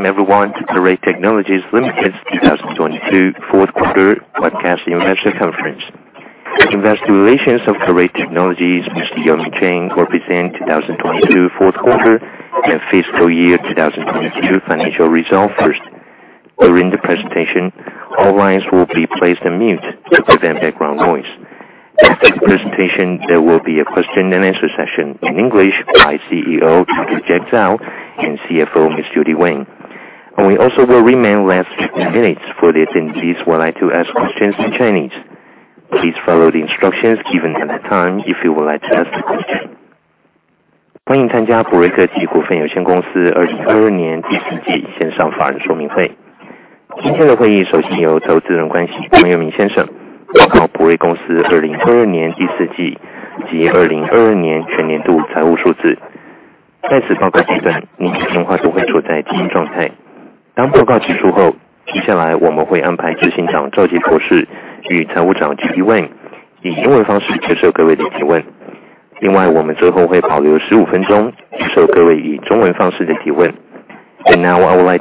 Welcome everyone to Parade Technologies Limited's 2022 fourth quarter webcast investor conference. Investor relations of Parade Technologies, Yo-Ming Chang, will present 2022 fourth quarter and fiscal year 2022 financial results first. During the presentation, all lines will be placed on mute to prevent background noise. After the presentation, there will be a question and answer session in English by CEO, Jack Zhao, and CFO, Judy Wang. We also will remain less than minutes for those attendees who would like to ask questions in Chinese. Please follow the instructions given at that time if you would like to ask a question. Now, I would like to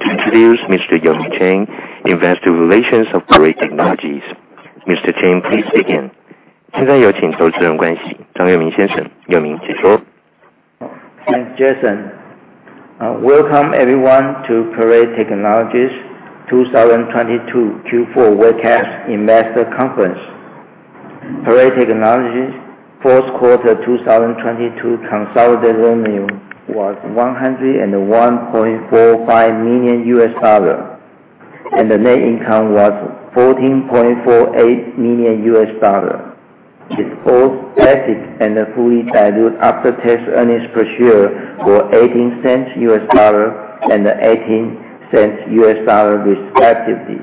introduce Yo-Ming Chang, investor relations of Parade Technologies. Mr. Chang, please begin. Thanks, Jason. Welcome everyone to Parade Technologies 2022 Q4 webcast investor conference. Parade Technologies fourth quarter 2022 consolidated revenue was $101.45 million, and the net income was $14.48 million. Its both basic and fully diluted after-tax earnings per share were $0.18 and $0.18, respectively.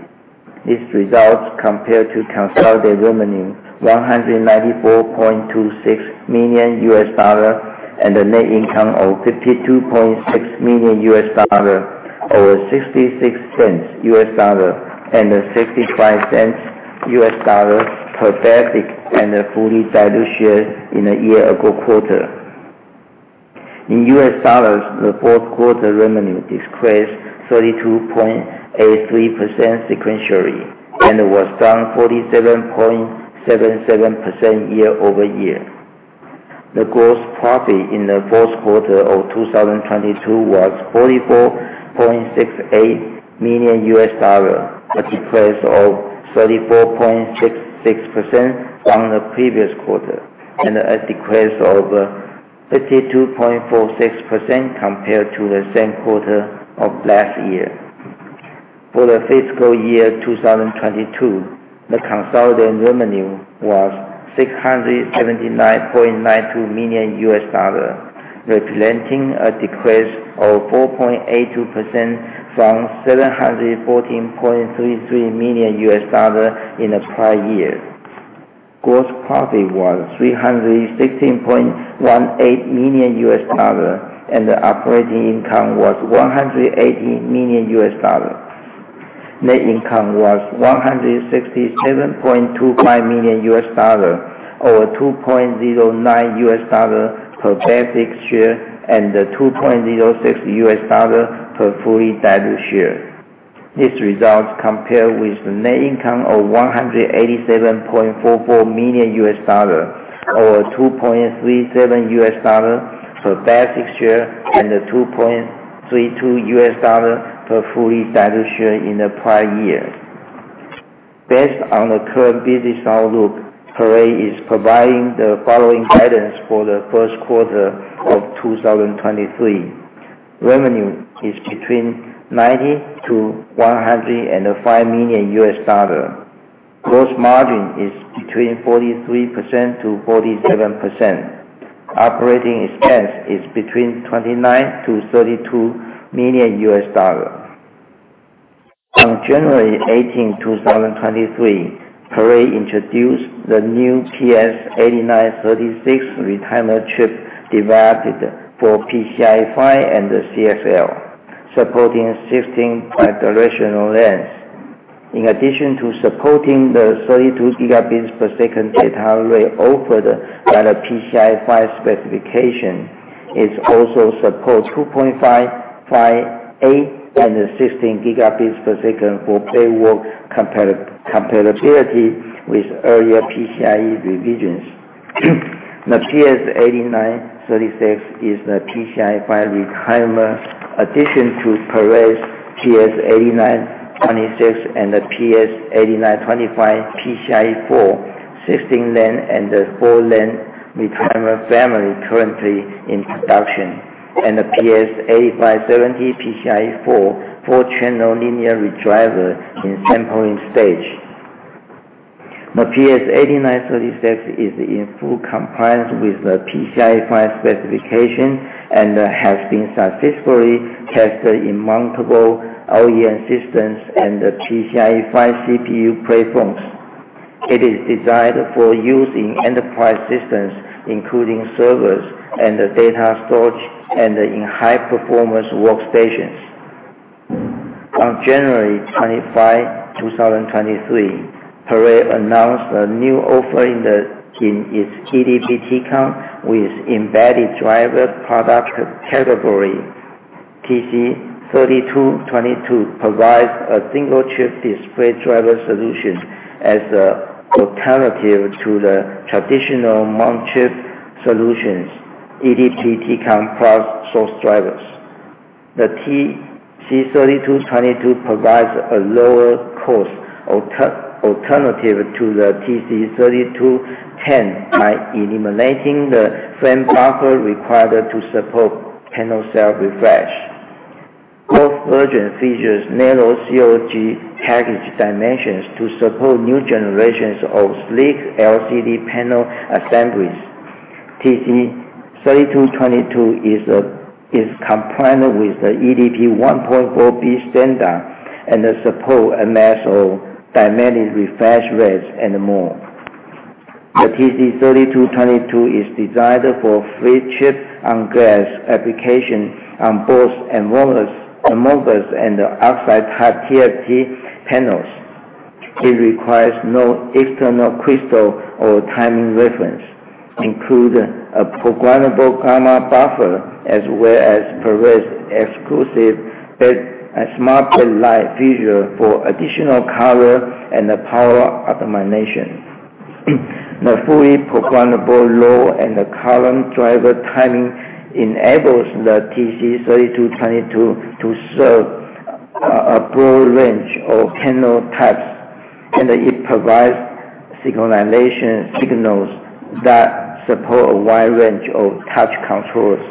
These results compare to consolidated revenue $194.26 million and a net income of $52.6 million, or $0.66 and $0.65 per basic and fully diluted share in the year-ago quarter. In U.S. dollars, the fourth quarter revenue decreased 32.83% sequentially, and it was down 47.77% year-over-year. The gross profit in the fourth quarter of 2022 was $44.68 million, a decrease of 34.66% from the previous quarter, and a decrease of 52.46% compared to the same quarter of last year. For the fiscal year 2022, the consolidated revenue was $679.92 million, representing a decrease of 4.82% from $714.33 million in the prior year. Gross profit was $316.18 million, and the operating income was $180 million. Net income was $167.25 million, or $2.09 per basic share, and $2.06 per fully diluted share. This result compare with the net income of $187.44 million, or $2.37 per basic share, and $2.32 per fully diluted share in the prior year. Based on the current business outlook, Parade is providing the following guidance for the first quarter of 2023. Revenue is between $90 million-$105 million. Gross margin is between 43%-47%. Operating expense is between $29 million-$32 million. On January 18, 2023, Parade introduced the new PS8936 retimer chip developed for PCIe 5 and the CXL, supporting shifting bidirectional lanes. In addition to supporting the 32 gigabits per second data rate offered by the PCIe 5 specification, it also supports 2.5 by 8 and 16 gigabits per second for backward compatibility with earlier PCIe revisions. The PS8936 is the PCIe 5 retimer, addition to Parade's PS8926 and the PS8925 PCIe 4, 16-lane and the 4-lane retimer family currently in production, and the PS8570 PCIe 4 4-channel linear redriver in sampling stage. The PS8936 is in full compliance with the PCIe 5 specification and has been successfully tested in multiple OEM systems and the PCIe 5 CPU platforms. It is designed for use in enterprise systems, including servers and the data storage and in high-performance workstations. On January 25, 2023, Parade announced a new offering that in its eDP Tcon with embedded driver product category. TC3222 provides a single-chip display driver solution as an alternative to the traditional multi-chip solutions, eDP Tcon plus source drivers. The TC3222 provides a lower cost alternative to the TC3210 by eliminating the frame buffer required to support panel self-refresh. Both versions feature narrow COG package dimensions to support new generations of sleek LCD panel assemblies. TC3222 is compliant with the eDP 1.4b standard and support a mix of dynamic refresh rates and more. The TC3222 is designed for free chip on glass application on both amorphous and oxide type TFT panels. It requires no external crystal or timing reference, include a programmable gamma buffer as well as Parade's exclusive Smart-Backlight feature for additional color and power optimization. The fully programmable row and column driver timing enables the TC3222 to serve a broad range of panel types, and it provides synchronization signals that support a wide range of touch controls.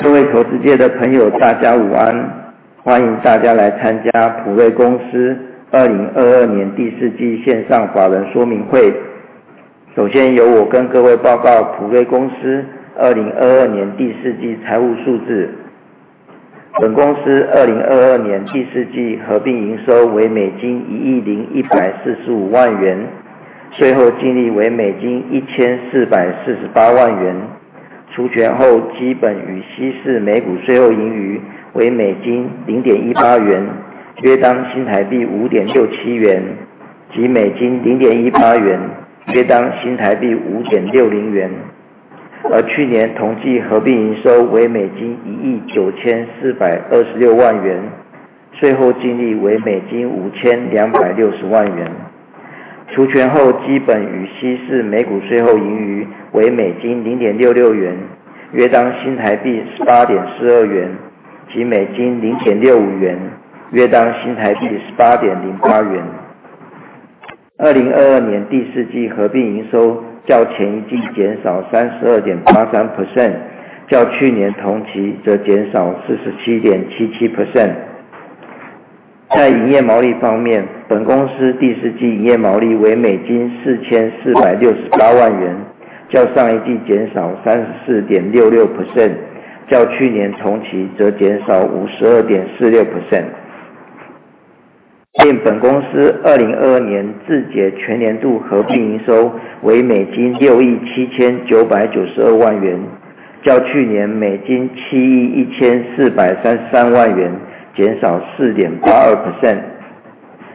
各位投资界的朋 友， 大家午安。欢迎大家来参加普瑞公司二零二二年第四季线上法人说明会。首先由我跟各位报告普瑞公司二零二二年第四季财务数字。本公司二零二二年第四季合并营收为美金一亿零一百四十五万 元， 税后净利为美金一千四百四十八万 元， 除权后基本与稀释每股税后盈余为美金零点一八 元， 约当新台币五点六七 元， 及美金零点一八 元， 约当新台币五点六零元。而去年同季合并营收为美金一亿九千四百二十六万 元， 税后净利为美金五千两百六十万 元， 除权后基本与稀释每股税后盈余为美金零点六六 元， 约当新台币十八点四二 元， 及美金零点六五 元， 约当新台币十八点零八元。二零二二年第四季合并营收较前一季减少三十二点八三 percent， 较去年同期则减少四十七点七七 percent。在营业毛利方 面， 本公司第四季营业毛利为美金四千四百六十八万 元， 较上一季减少三十四点六六 percent， 较去年同期则减少五十二点四六 percent。并本公司二零二二年自觉全年度合并营收为美金六亿七千九百九十二万 元， 较去年美金七亿一千四百三十三万元减少四点八二 percent。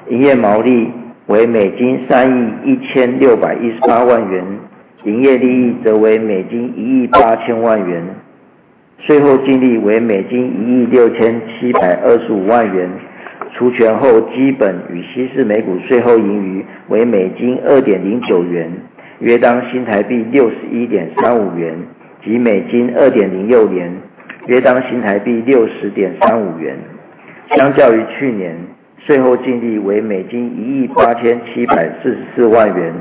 营业毛利为美金三亿一千六百一十八万 元， 营业利益则为美金一亿八千万元。税后净利为美金一亿六千七百二十五万元，除权后基本与稀释每股税后盈余为美金二点零九 元， 约当新台币六十一点三十五 元， 及美金二点零六 元， 约当新台币六十点三十五元。相较于去 年， 税后净利为美金一亿八千七百四十四万 元，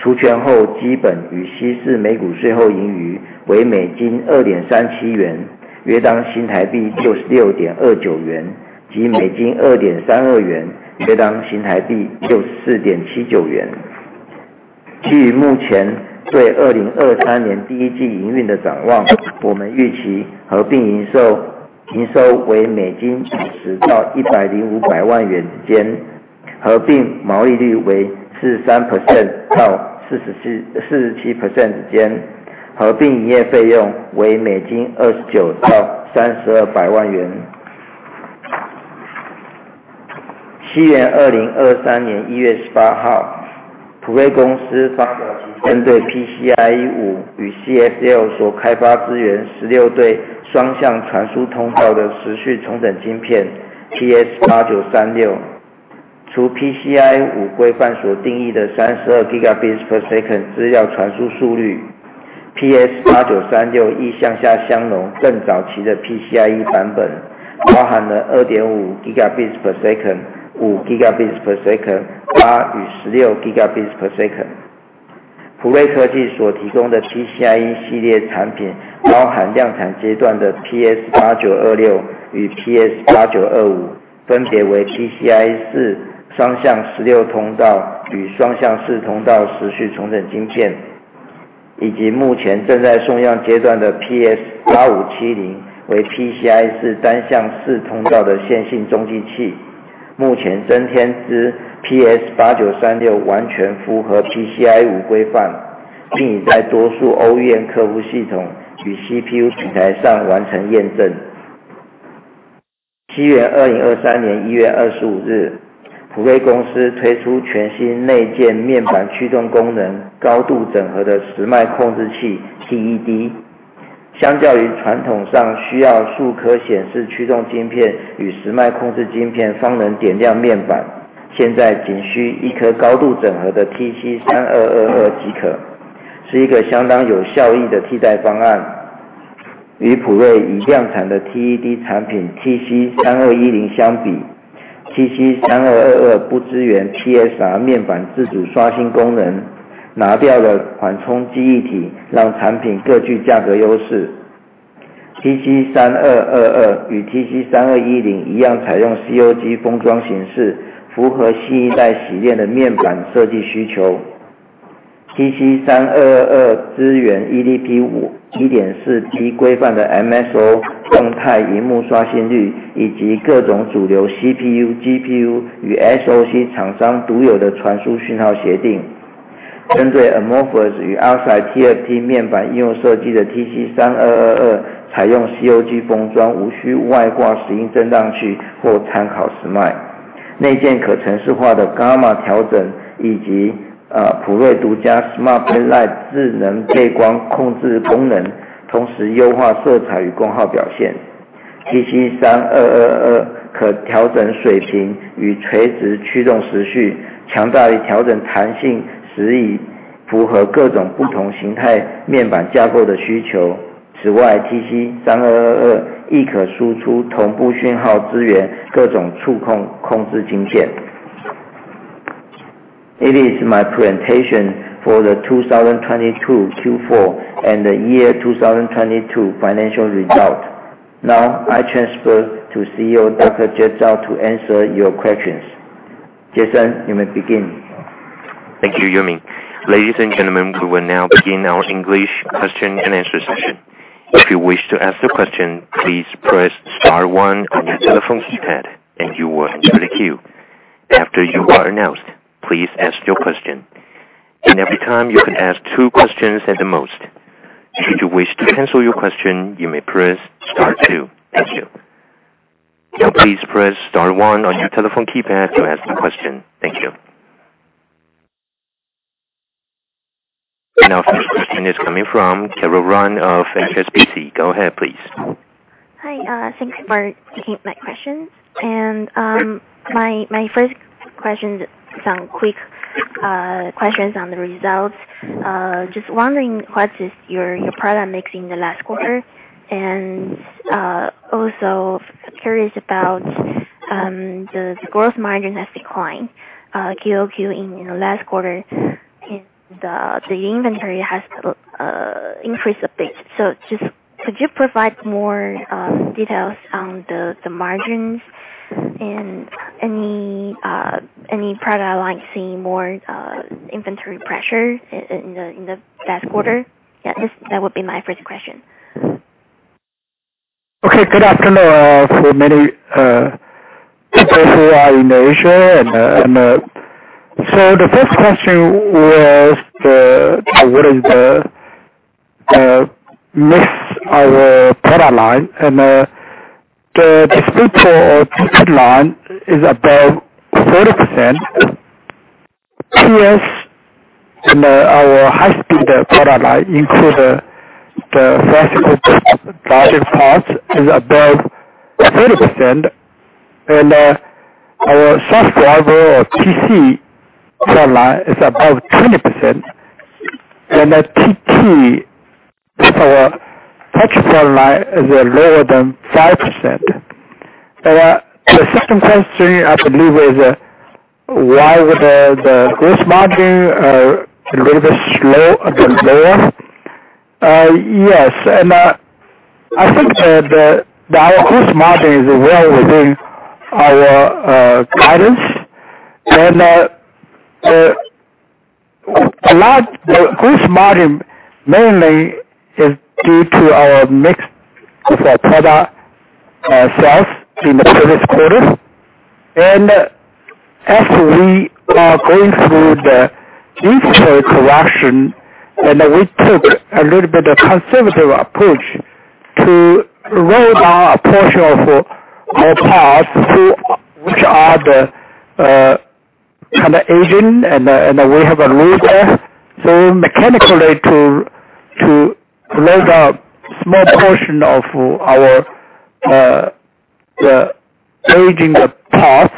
除权后基本与稀释每股税后盈余为美金二点三十七 元， 约当新台币六十六点二九元，及美金二点三二 元， 约当新台币六十四点七九元。基于目前对二零二三年第一季营运的展 望， 我们预期合并营 收， 营收为美金九十到一百零五百万元之 间， 合并毛利率为四十三 percent 到四十 七， 四十七 percent 之 间， 合并营业费用为美金二十九到三十二百万元。西元二零二三年一月十八 号， 普瑞公司针对 PCIe 5与 CXL 所开发支援十六对双向传输通道的时序重整晶片 PS8936。除 PCIe 5规范所定义的三十二 gigabits per second 资料传输速率 ，PS8936 亦向下相容更早期的 PCIe 版 本， 包含了二点五 gigabits per second、五 gigabits per second、八与十六 gigabits per second。普瑞科技所提供的 PCIe 系列产品包含量产阶段的 PS8926 与 PS8925， 分别为 PCIe 4双向十六通道与双向四通道时序重整晶 片， 以及目前正在送样阶段的 PS8570， 为 PCIe 4单向四通道的线性中继器。目前增添之 PS 八九三六完全符合 PCIE 五规 范， 并已在多数 OEM 客户系统与 CPU 平台上完成验证。西元二零二三年一月二十五 日， 普瑞公司推出全新内建面板驱动功 能， 高度整合的时脉控制器 TED。相较于传统上需要数颗显示驱动晶片与时脉控制晶片方能点亮面 板， 现在仅需一颗高度整合的 TC 三二二二即 可， 是一个相当有效益的替代方案。与普瑞已量产的 TED 产品 TC 三二一零相比 ，TC 三二二二不支援 PSR 面板自主刷新功能，拿掉了缓冲记忆 体， 让产品各具价格优势。TC 三二二二与 TC 三二一零一 样， 采用 COG 封装形 式， 符合新一代洗练的面板设计需求。TC 三二二二支援 EDP 五一点四 G 规范的 MSO 动态萤幕刷新 率， 以及各种主流 CPU、GPU 与 SOC 厂商独有的传输讯号协定。针对 Amorphous 与 Oxide TFT 面板应用设计的 TC 三二二 二， 采用 COG 封 装， 无需外挂时钟振荡器或参考时 脉， 内建可程式化的 Gamma 调整以 及， 呃， 普瑞独家 Smart Brightlight 智能背光控制功 能， 同时优化色彩与功耗表现。TC 三二二二可调整水平与垂直驱动时 序， 强大于调整弹性，使以符合各种不同形态面板架构的需求。此外 ，TC 三二二二亦可输出同步讯 号， 支援各种触控控制晶片。It is my presentation for the two thousand twenty two Q4 and year two thousand twenty two financial result. Now I transfer to CEO Dr. Jack Zhao to answer your questions. Jason, you may begin. Thank you, Yo Ming. Ladies and gentlemen, we will now begin our English question and answer session. If you wish to ask the question, please press star one on your telephone keypad, and you will enter the queue. After you are announced, please ask your question. In every time you can ask two questions at the most. Should you wish to cancel your question, you may press star two. Thank you. Now please press star one on your telephone keypad to ask a question. Thank you. Now first question is coming from Carol Run of HSBC. Go ahead, please. Hi, thanks for taking my questions. My first question, some quick questions on the results. Just wondering what is your product mix in the last quarter? Also curious about the gross margin has declined QOQ in the last quarter, and the inventory has increased a bit. Just could you provide more details on the margins and any product line seeing more inventory pressure in the last quarter? Yeah, that would be my first question. Okay, good afternoon. For many people who are in Asia. The first question was what is the mix our product line? The display for touch line is about 40%. TSD in our high speed product line include the first driving part is above 30%. Our first driver or Tcon product line is above 20%. The TTcon, our touch product line is lower than 5%. The second question, I believe, is why would the gross margin are a little bit slow, a bit lower? Yes. I think our gross margin is well within our guidance. The gross margin mainly is due to our mix of our product sales in the previous quarter. As we are going through the inventory correction, we took a little bit of conservative approach to roll down a portion of our parts to which are the kind of aging, and we have a rule there. Mechanically to roll down small portion of our the aging parts.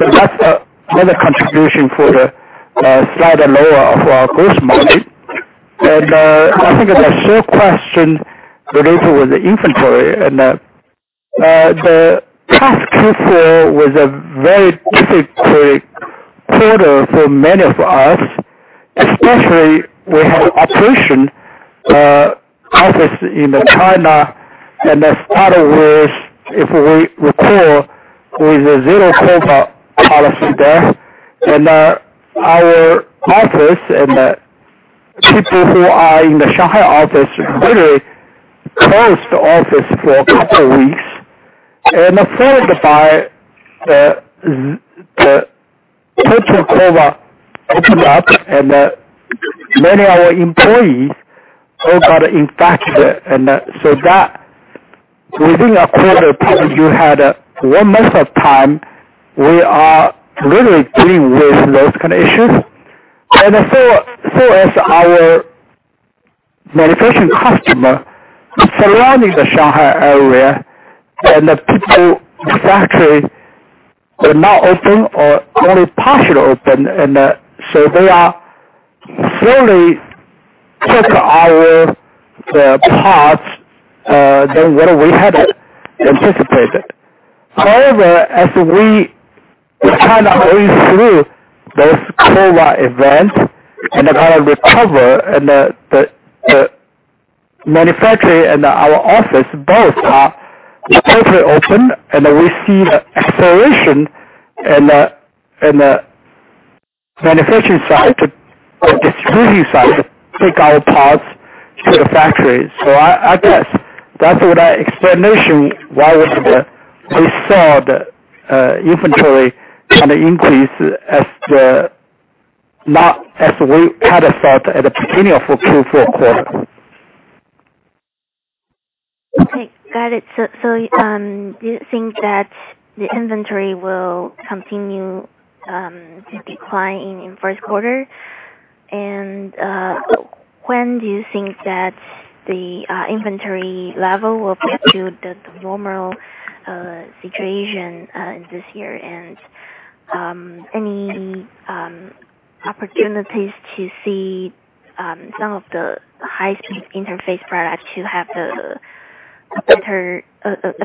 That's another contribution for the slightly lower of our gross margin. I think the third question related with the inventory, the past Q4 was a very difficult quarter for many of us, especially we have operation office in China. As far as if we recall, with the zero-COVID policy there, our markers and the People who are in the Shanghai office really closed the office for a couple weeks and followed by the total COVID opened up and many of our employees all got infected. So that within a quarter, probably you had 1 month of time, we are really dealing with those kind of issues. As our manufacturing customer surrounding the Shanghai area and the people in factory were not open or only partially open, and so they are fully took our parts than what we had anticipated. However, as we were trying to move through this COVID event and then how to recover and the manufacturer and our office both are totally open and we see the exploration in the manufacturing side or distributing side to take our parts to the factories. I guess that's what our explanation why we have we saw the inventory kind of increase as not as we had thought at the beginning of Q4 quarter. Got it. Do you think that the inventory will continue to decline in first quarter? When do you think that the inventory level will get to the normal situation in this year? Any opportunities to see some of the high-speed interface products to have a better,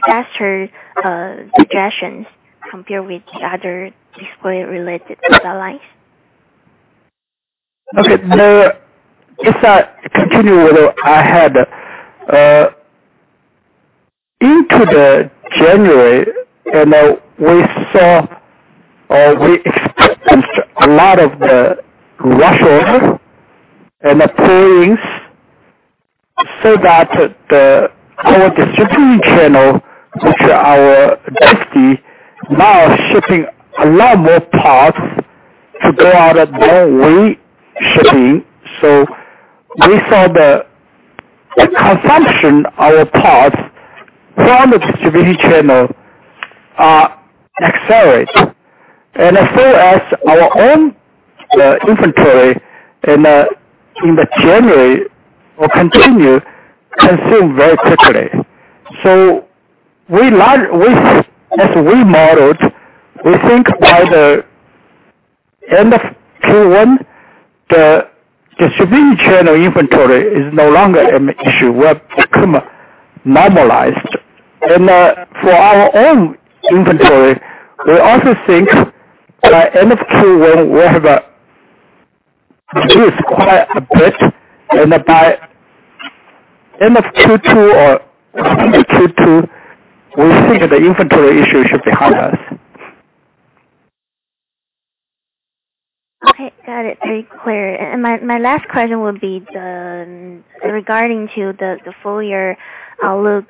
faster suggestions compared with other display related product lines? If I continue with what I had into the January, we saw or we experienced a lot of the rushes and the pullings so that the whole distribution channel, which are our 50, now shipping a lot more parts to go out than we shipping. We saw the consumption of our parts from the distribution channel accelerate. As far as our own inventory in the January will continue consume very quickly. As we modeled, we think by the end of Q1, the distribution channel inventory is no longer an issue, will become normalized. For our own inventory, we also think by end of Q1, we'll have a reduced quite a bit and by end of Q2 or mid-Q2, we think that the inventory issue should be behind us. Okay. Got it. Very clear. My last question would be regarding the full year outlook.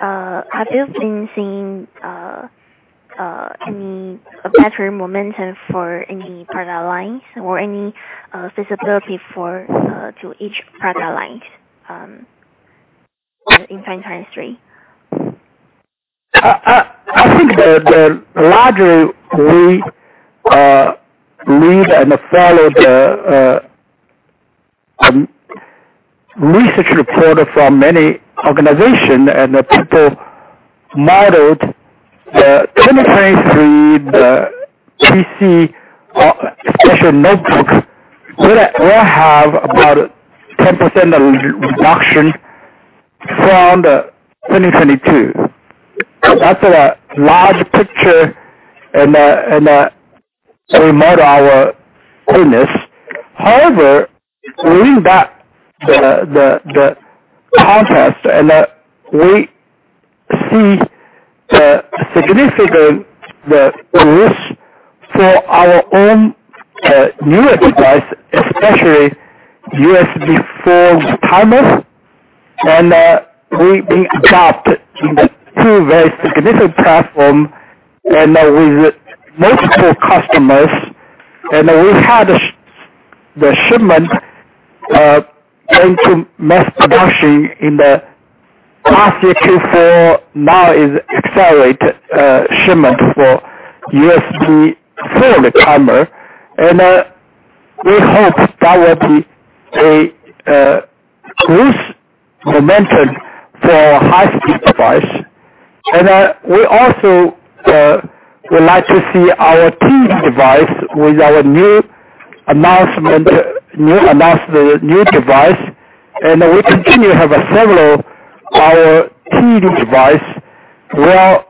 Have you been seeing any better momentum for any product lines or any visibility for each product line in 2023? I think the larger we read and follow the research report from many organization and the people modeled the 2023, the PC, especially notebooks, will have about 10% of reduction from the 2022. That's a large picture and we made our awareness. However, reading that the contrast and we see the significant risk for our own new device, especially USB4 timers. We adopt in the 2 very significant platform and with multiple customers, and we had the shipment going to mass production in the last Q4, now is accelerate shipment for USB4 timer. We hope that will be a growth momentum for high-speed device. We also would like to see our TV device with our new announcement, new device. We continue have a several our TV device. We are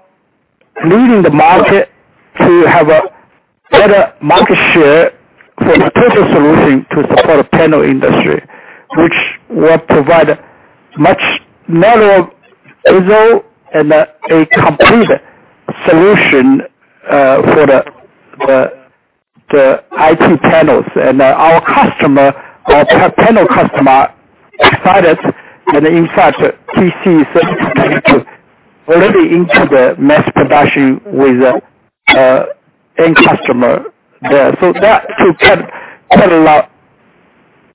leading the market to have a better market share for the total solution to support panel industry, which will provide much better result and a complete solution for the IT panels. Our customer, our panel customer started, and in fact, we see 70% already into the mass production with the end customer there. That should cut quite a lot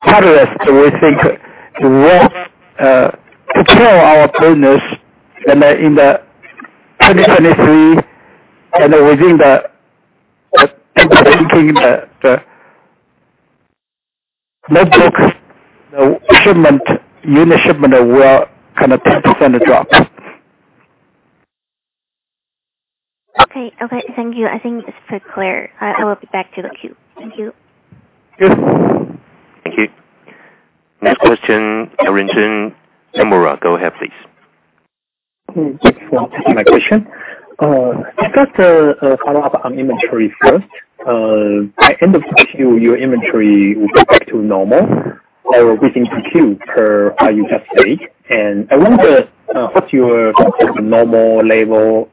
hurdles that we think will to grow our business. In 2023 and within the notebooks, the shipment, unit shipment will kind of 10% drop. Okay. Okay. Thank you. I think it's pretty clear. I will be back to the queue. Thank you. Yes. Thank you. Next question, Aaron Jeng Nomura. Go ahead, please. Thanks for taking my question. Just a follow-up on inventory first. By end of Q, your inventory will go back to normal or within 2Q per say. I wonder what you call the normal level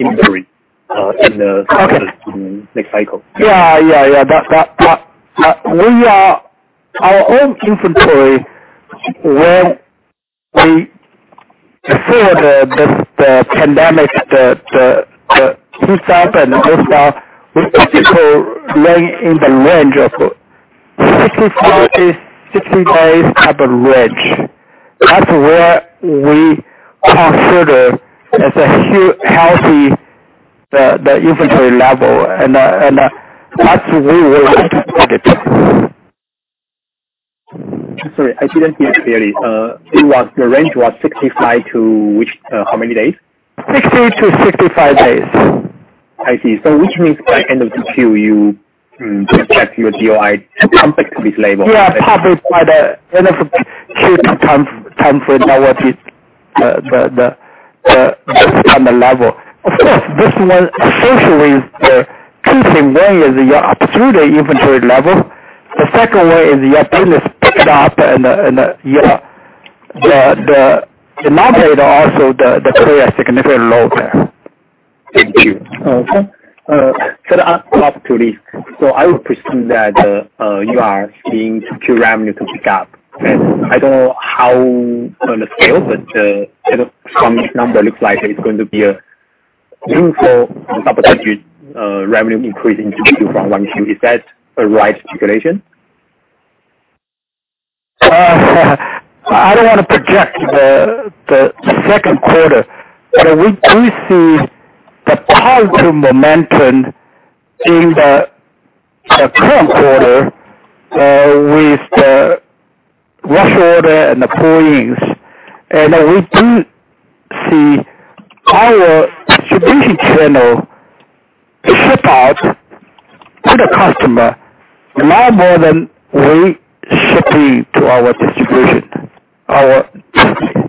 inventory and target in the next cycle? Yeah. Yeah. Yeah. We are... Our own inventory, when we before the pandemic, in the range of 65-60 days. That's where we consider as a healthy inventory level. That's where we like to take it. Sorry, I didn't hear clearly. The range was 65 to which, how many days? 60-65 days. Which means by end of Q2 you expect your DOI to come back to this level? Yeah. Come back by the end of Q2 time frame that would be the standard level. Of course, this one essentially is two things. One is your opportunity inventory level. The second one is your business picked up and your numerator also play a significant role there. Thank you. Okay. To add to this. I would presume that you are seeing Q revenue to pick up. I don't know how on the scale, but kind of from this number looks like it's going to be a meaningful double-digit revenue increase in Q2 from 1 Q. Is that a right speculation? I don't wanna project the second quarter. We do see the powerful momentum in the current quarter with the rush order and the pull-ins. We do see our distribution channel ship out to the customer a lot more than we shipping to our distribution. Okay.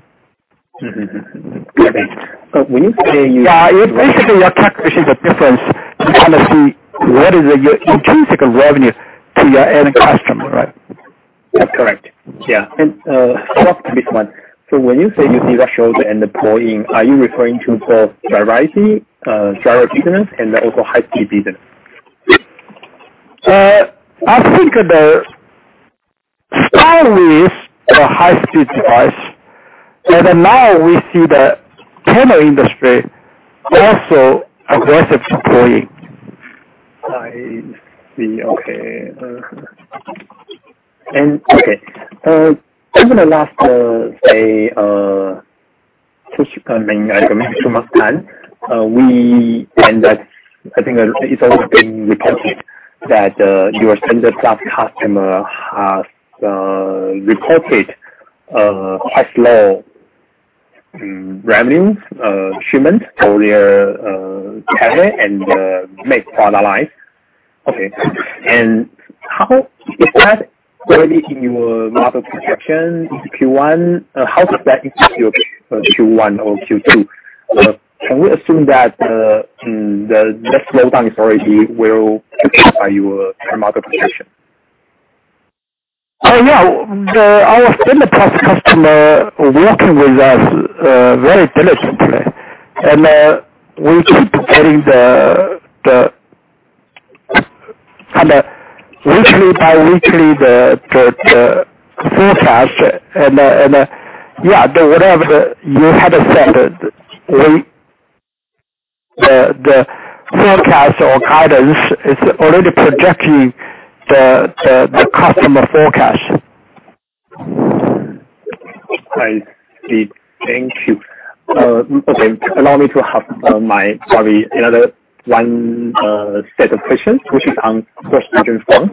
when you say. Yeah. It basically, you're calculating the difference to kinda see what is the intrinsic revenue to your end customer, right? Correct. Yeah. Last one. When you say you see the short and the pull-in, are you referring to the variety driver business and also high-speed business? I think the start with the high-speed device. Now we see the panel industry also aggressive deploying. I see. Okay. Over the last, say, two, I mean, like, maybe two months time, I think it's also been reported that your standard graph customer has reported quite low revenues, shipments for their and make product line. Okay. Is that already in your model projection in Q1? How does that impact your Q1 or Q2? Can we assume that the slowdown is already well captured by your model projection? Yeah. Our standard graph customer working with us very diligently. We keep getting the and weekly by weekly the forecast and yeah, the whatever the you have said, we the forecast or guidance is already projecting the customer forecast. I see. Thank you. Okay. Allow me to have my probably another one set of questions, which is on gross margin front.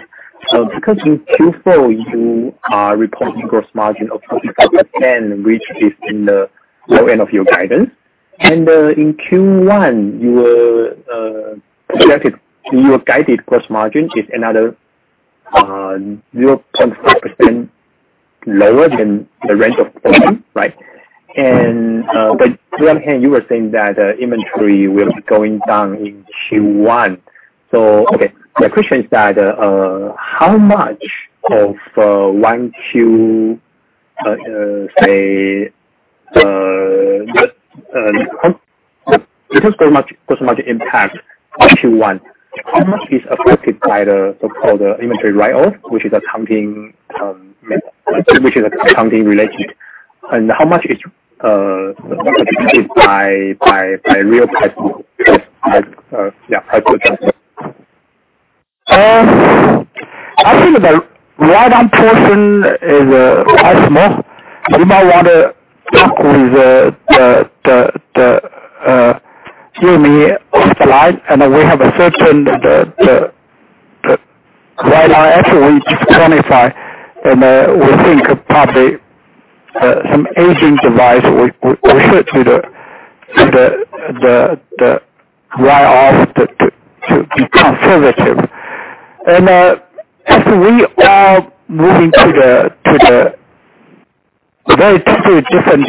Because in Q4 you are reporting gross margin of 45%, which is in the low end of your guidance. In Q1 your projected, your guided gross margin is another 0.5% lower than the range of 40, right? But the other hand, you were saying that inventory will be going down in Q1. Okay. The question is that how much of one, two say, it has very much impact on Q1. How much is affected by the so-called inventory write-off, which is accounting related. How much is affected by real customer, yeah, customer? I think the write-down portion is quite small. You might want to talk with inaudible offline, and we have a certain write down actually we quantify. We think probably some aging device will ship to write off to be conservative. As we are moving to very different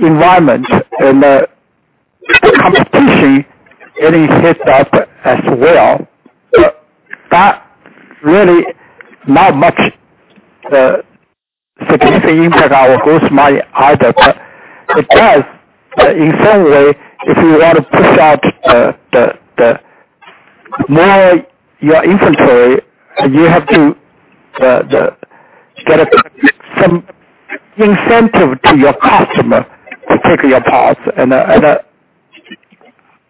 environments the competition getting heated up as well, that really not much significant impact our gross margin either. Because, in some way, if you want to push out more your inventory, you have to get some incentive to your customer to take your parts.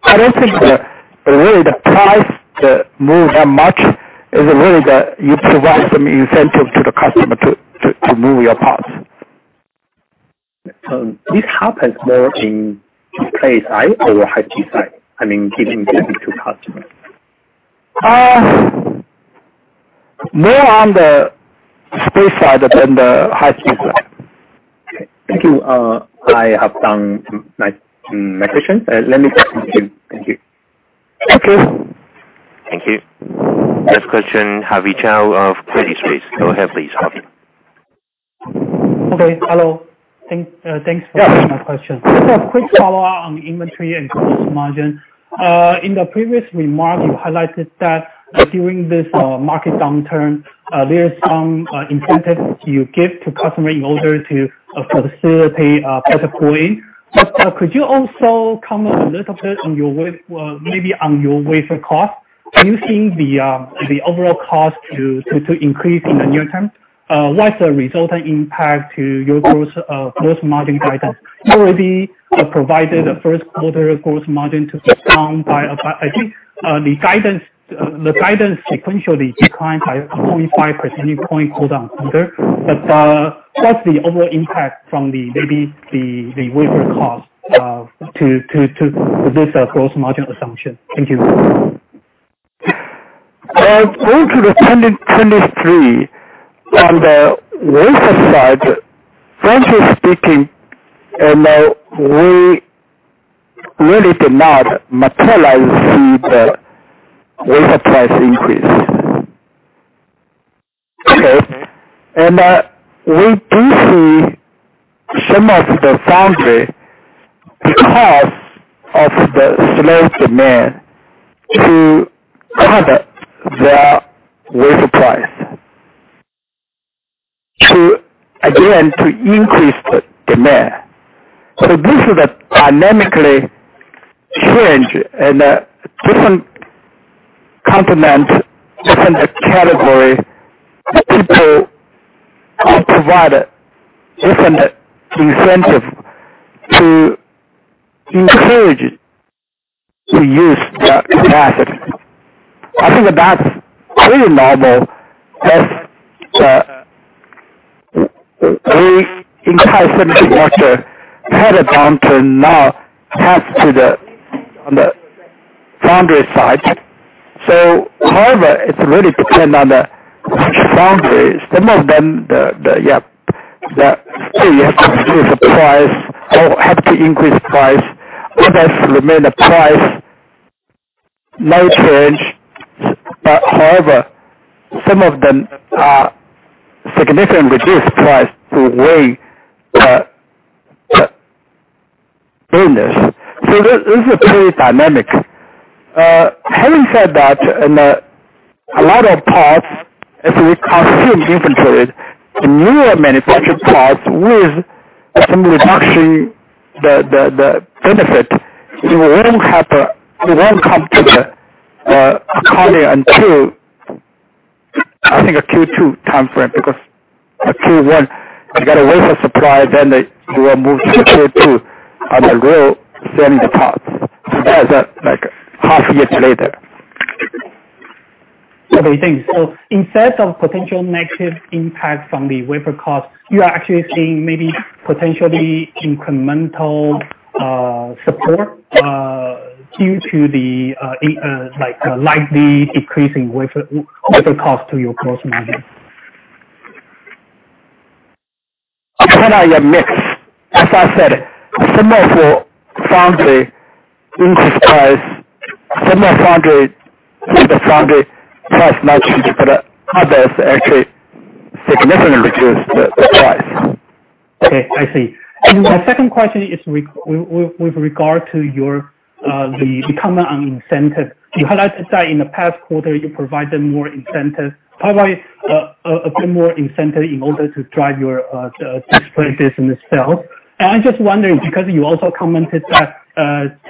I don't think that really the price to move that much is really the... You provide some incentive to the customer to move your parts. This happens more in space side or high-g side? I mean, giving in to customers. more on the space side than the high-g side. Okay. Thank you, I have done my question. Let me in. Thank you. Okay. Thank you. Next question, Harvey Chou of Credit Suisse. Go ahead, please, Harvey. Okay. Hello. Thank, thanks for taking my question. Just a quick follow-up on the inventory and gross margin. In the previous remark, you highlighted that during this market downturn, there are some incentives you give to customer in order to facilitate better pulling. Could you also comment a little bit on your wafer cost? Do you think the overall cost to increase in the near term? What's the resulting impact to your gross margin guidance? You already provided a first quarter gross margin to be down by I think, the guidance sequentially declined by 25%, you point call down, I think. What's the overall impact from maybe the wafer cost to this gross margin assumption? Thank you. Going to 2023, on the wafer side, frankly speaking, we really did not materialize the wafer price increase. Okay? We do see some of the foundry, because of the slow demand to cut their wafer price to, again, to increase the demand. This is a dynamically change and a different complement, different category people are provided different incentive to encourage, to use the capacity. I think that's pretty normal as we in high symmetry quarter had a downturn now passed to the on the foundry side. However, it's really depend on the which foundry, some of them, still you have to increase the price or just remain the price, no change. However, some of them significantly reduce price to weigh the business. This is a pretty dynamic. Having said that, a lot of parts as we consume inventory, the newer manufactured parts with assembly reduction, the benefit, we wouldn't have, we won't come to the economy until I think Q2 timeframe, because Q1, they get a wafer supply, then they will move to Q2, and they will send the parts. That's like half years later. Okay, thanks. Instead of potential negative impact from the wafer cost, you are actually seeing maybe potentially incremental support due to the in like likely decreasing wafer cost to your gross margin. Depend on your mix. As I said, some of your foundry increase price. Some of the foundry price not change. Others actually significantly reduce the price. Okay, I see. My second question is with regard to your the comment on incentive. You highlighted that in the past quarter, you provided more incentive, a bit more incentive in order to drive your display business sales. I'm just wondering because you also commented that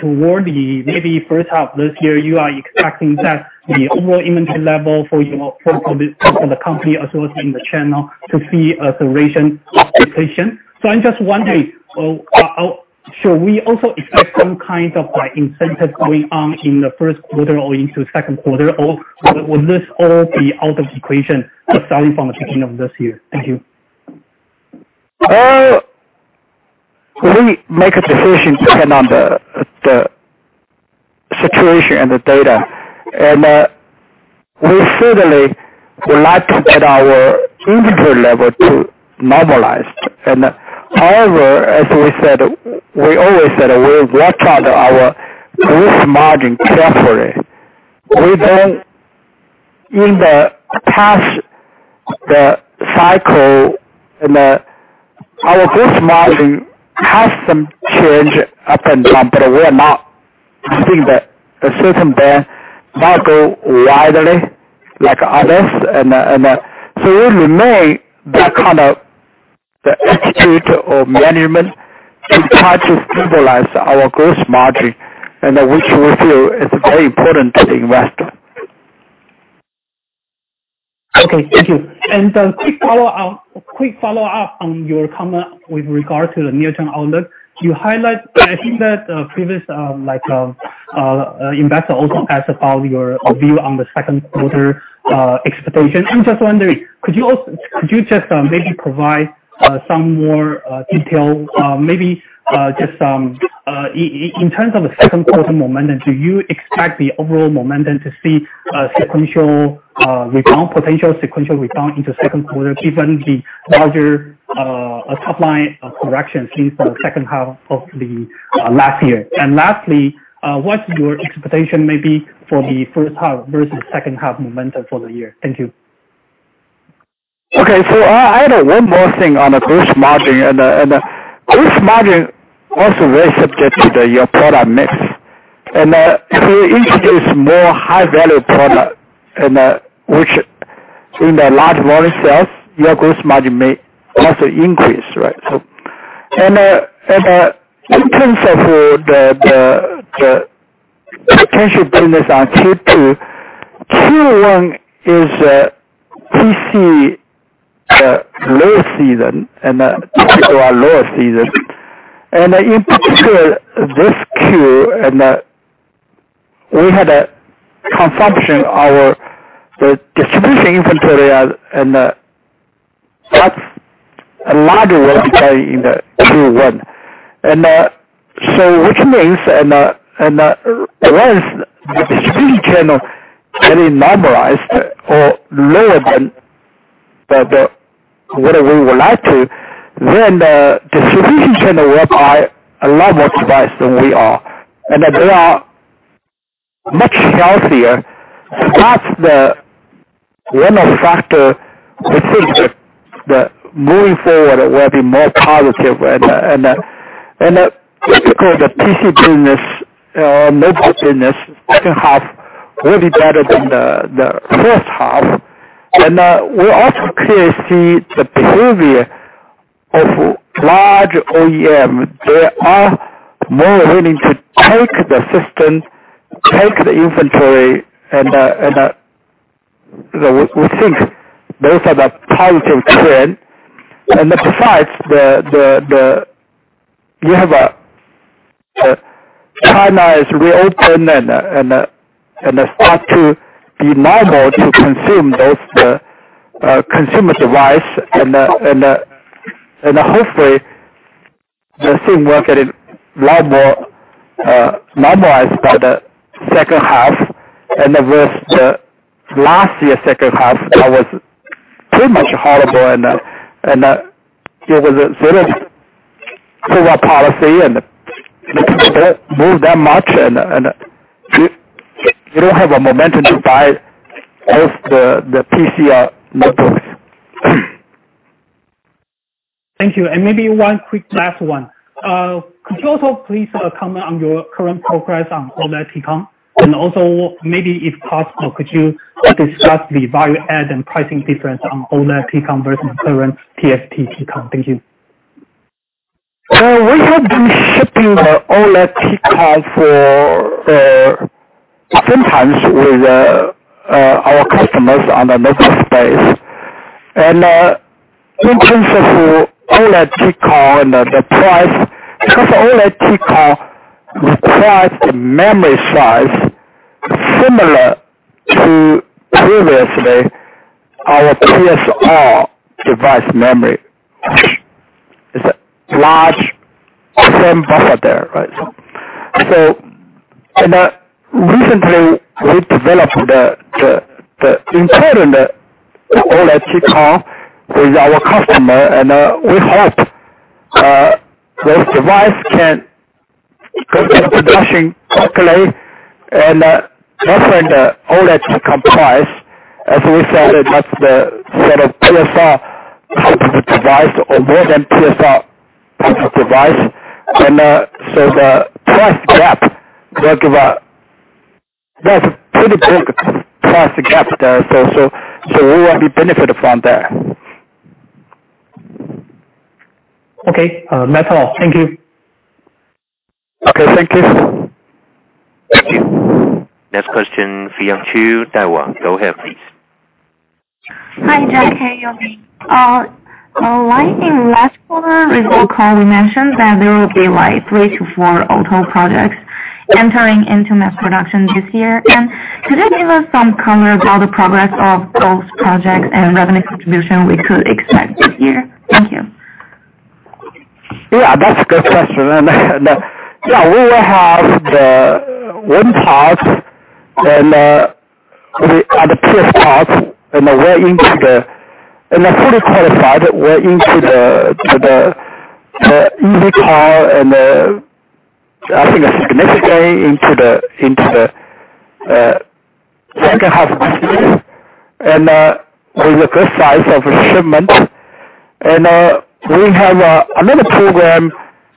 toward the maybe 1st half this year, you are expecting that the overall inventory level for your, for the company as well as in the channel to see a ration optimization. I'm just wondering how... Should we also expect some kind of, like, incentive going on in the 1st quarter or into 2nd quarter, or will this all be out of the equation starting from the beginning of this year? Thank you. We make a decision depending on the situation and the data. We certainly would like to get our inventory level to normalized. However, as we said, we always said we watch out our gross margin carefully. In the past the cycle and our gross margin has some change up and down, but we're not seeing the certain band that go widely like others. So we remain that kind of the attitude or management to try to stabilize our gross margin, and which we feel is very important to the investor. Okay. Thank you. A quick follow up. Quick follow up on your comment with regard to the near-term outlook. You highlight, I think that previous, like investor also asked about your view on the second quarter expectation. I'm just wondering, could you just maybe provide some more detail, maybe just in terms of the second quarter momentum, do you expect the overall momentum to see a sequential rebound, potential sequential rebound into second quarter given the larger top line corrections since the second half of last year? Lastly, what's your expectation maybe for the first half versus second half momentum for the year? Thank you. Okay, I have one more thing on the gross margin. The gross margin also very subject to your product mix. If you introduce more high value product and which in the large volume sales, your gross margin may also increase, right? In terms of the potential business on Q2, Q1 is a PC low season and a PC are lower season. In particular this Q, we had a consumption our distribution inventory, that's a larger will be carrying in the Q1. Which means once the distribution channel getting normalized or lower than what we would like to, then the distribution channel will buy a lot more device than we are. They are much healthier. That's the one of factor we think that moving forward will be more positive and because the PC business, mobile business second half will be better than the first half. We also clearly see the behavior of large OEM. They are more willing to take the system, take the inventory and we think those are the positive trend. Besides the, the... You have China is reopen and start to be normal to consume those, the consumer device. Hopefully the thing will get a lot more normalized by the second half and the rest. The last year second half that was pretty much horrible and there was a zero COVID policy and the people don't move that much and you don't have a momentum to buy all the PC notebooks. Thank you. Maybe one quick last one. Could you also please, comment on your current progress on OLED Tcon? Also maybe if possible, could you discuss the value add and pricing difference on OLED Tcon versus current TFT Tcon? Thank you. Well, we have been shipping the OLED Tcon for sometimes with our customers on the notebook space. In terms of OLED Tcon and the price, because OLED Tcon requires the memory size similar to previously our PSR device memory. It's a large same buffer there, right? Recently we developed the internal OLED Tcon with our customer, and we hope those device We're producing quickly and offering the OLED to comprise, as we said, it must set a PSR for the device or more than PSR for the device. The price gap will give a. That's a pretty big price gap there. We will be benefited from that. Okay. That's all. Thank you. Okay, thank you. Thank you. Next question, Fion Chu, Daiwa. Go ahead, please. Hi, Jack. Hey, Yo-Ming. Like in last quarter result call, you mentioned that there will be, like, 3-4 auto projects entering into mass production this year. Could you give us some color about the progress of those projects and revenue contribution we could expect this year? Thank you. Yeah, that's a good question. Yeah, we will have the wind parts and the other PS parts, and they're well into the... They're fully qualified. We're into the EV car and I think significantly into the second half of this year. With a good size of shipment. We have another program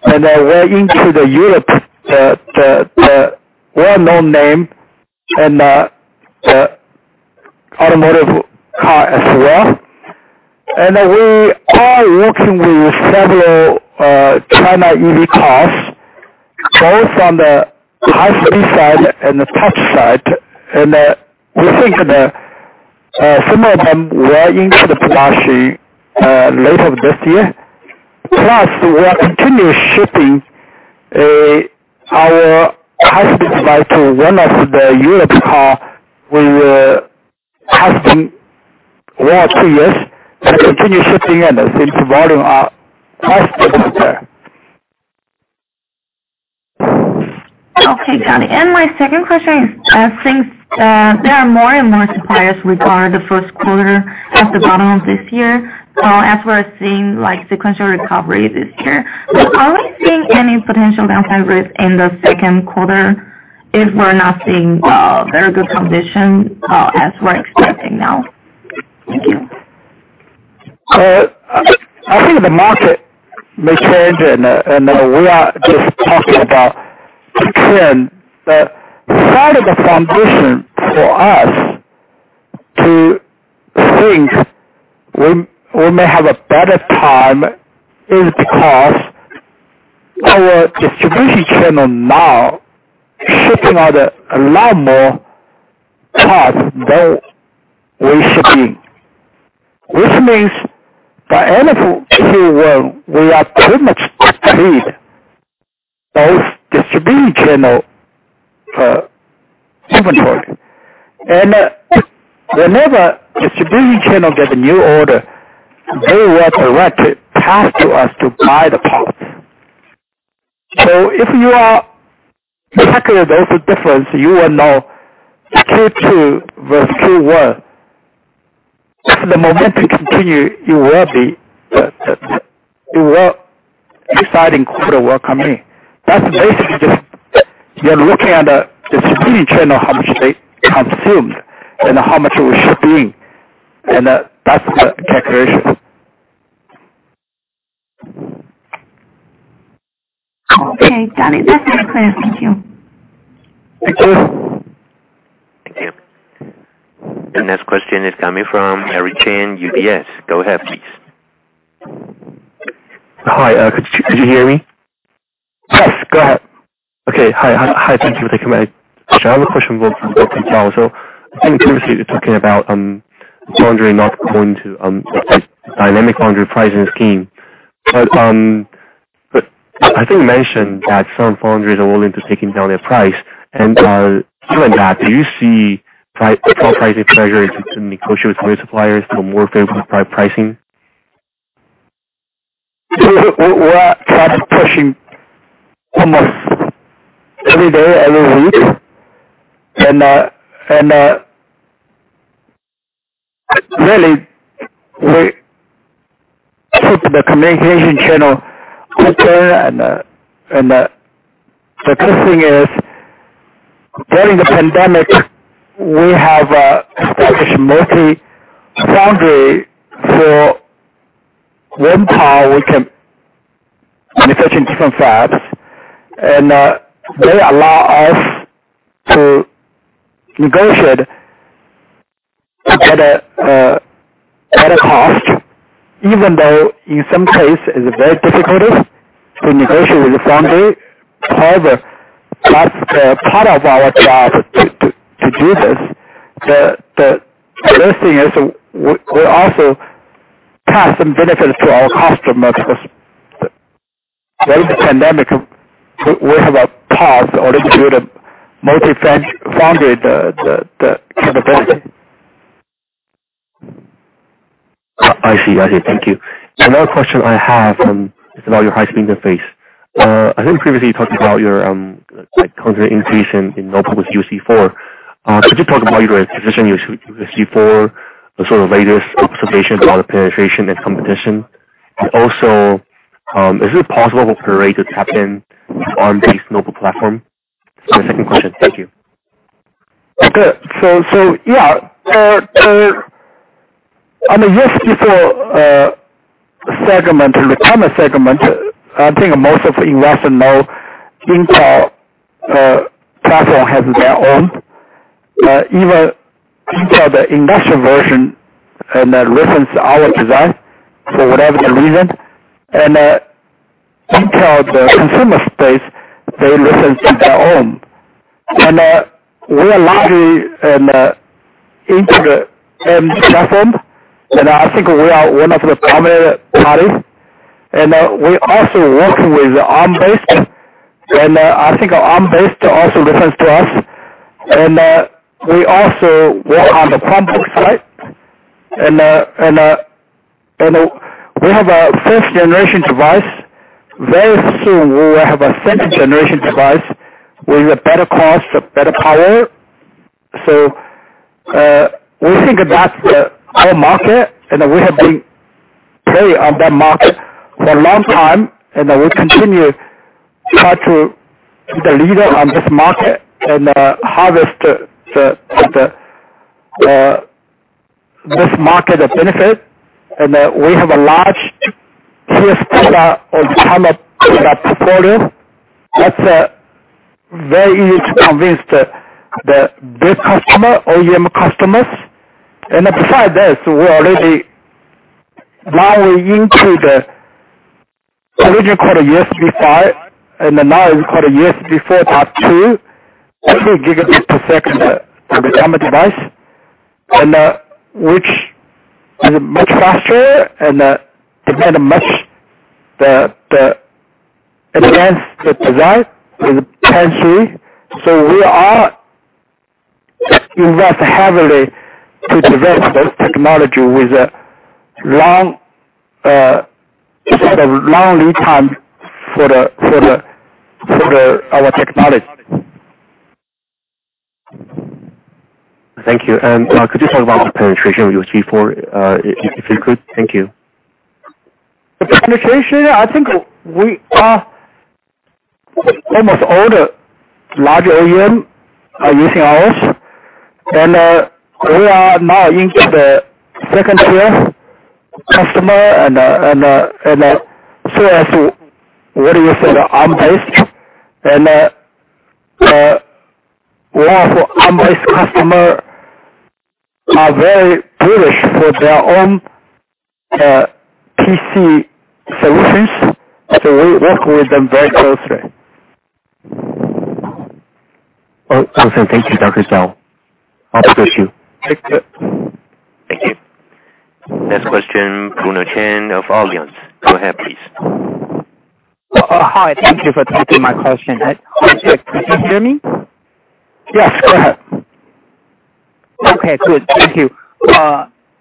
and we're into the Europe, the well-known name in the automotive car as well. We are working with several China EV cars, both on the high speed side and the touch side. We think that some of them will include the production later this year. Plus, we are continuous shipping our high-speed flag to one of the Europe car. We have been working with to continue shipping and I think volume are quite good there. Okay, got it. My second question is, I think, there are more and more suppliers regard the first quarter at the bottom this year, as we're seeing, like, sequential recovery this year. Are we seeing any potential down coverage in the second quarter if we're not seeing, very good condition, as we're expecting now? Thank you. I think the market may change and we are just talking about Q1, but part of the foundation for us to think we may have a better time is because our distribution channel now is shipping out a lot more parts than we should be. Which means by end of Q1, we are pretty much freed those distribution channel, inventory. Whenever distribution channel get a new order, they will direct it pass to us to buy the parts. If you are tracking those difference, you will know Q2 versus Q1, if the momentum continue, you will. This outing quarter will come in. That's basically just, you're looking at the distribution channel, how much they consumed and how much we're shipping, and, that's the calculation. Okay. Got it. That's very clear. Thank you. Thank you. Thank you. The next question is coming from Jerry Su, UBS. Go ahead, please. Hi. Could you hear me? Yes, go ahead. Okay. Hi. Thank you for taking my question. I have a question about in-car. I think previously you're talking about foundry not going to dynamic foundry pricing scheme. I think you mentioned that some foundries are willing to taking down their price. Given that, do you see pricing pressure to negotiate with your suppliers to a more favorable pricing? We are price pushing almost every day, every week. Really, we put the communication channel out there. The good thing is, during the pandemic, we have established multi-foundry. One part we can manufacture in different fabs, they allow us to negotiate better cost, even though in some case it's very difficult to negotiate with the foundry. That's the part of our job to do this. The other thing is we also pass some benefits to our customers because during the pandemic, we have a path already to the multi-foundry, the capability. I see. I see. Thank you. Another question I have is about your high-speed interface. I think previously you talked about your content increase in notebooks USB4. Could you talk about your position, USB four, the sort of latest observation about the penetration and competition? Is it possible for Ray to tap in on this mobile platform? The second question. Thank you. I mean, yes, if a segment, in the tele segment, I think most of the investors know Intel platform has their own, even Intel, the industrial version, and that listens to our design for whatever the reason. Intel, the consumer space, they listen to their own. We are lucky and into the end platform. I think we are one of the primary parties. We also work with the ARM-based, and I think our ARM-based also refers to us. We also work on the Chromebook side. We have a first generation device. Very soon we will have a second generation device with a better cost, a better power. We think that's our market, we have been playing on that market for a long time, we continue try to be the leader on this market and harvest the this market of benefit. We have a large customer or channel product portfolio that very easy to convince the big customer, OEM customers. Besides this, we're already now into the original called a USB five, now it's called a USB4 Version 2, 80 gigabit per second for the common device, which is much faster and depend much the advanced design in N3. We are invest heavily to develop those technology with a long set of long lead time for our technology. Thank you. Could you talk about the penetration of USB4, if you could? Thank you. The penetration, I think we are almost all the large OEM are using ours. We are now into the second tier customer. As to what do you say the ARM-based, a lot of our ARM-based customer are very bullish for their own PC solutions. We work with them very closely. Oh, okay. Thank you, Jack Zhao. Operator, you. Thank you. Next question, Bruno Chen of Alliance. Go ahead, please. Thank you for taking my question. Can you hear me? Yes, go ahead. Okay, good. Thank you.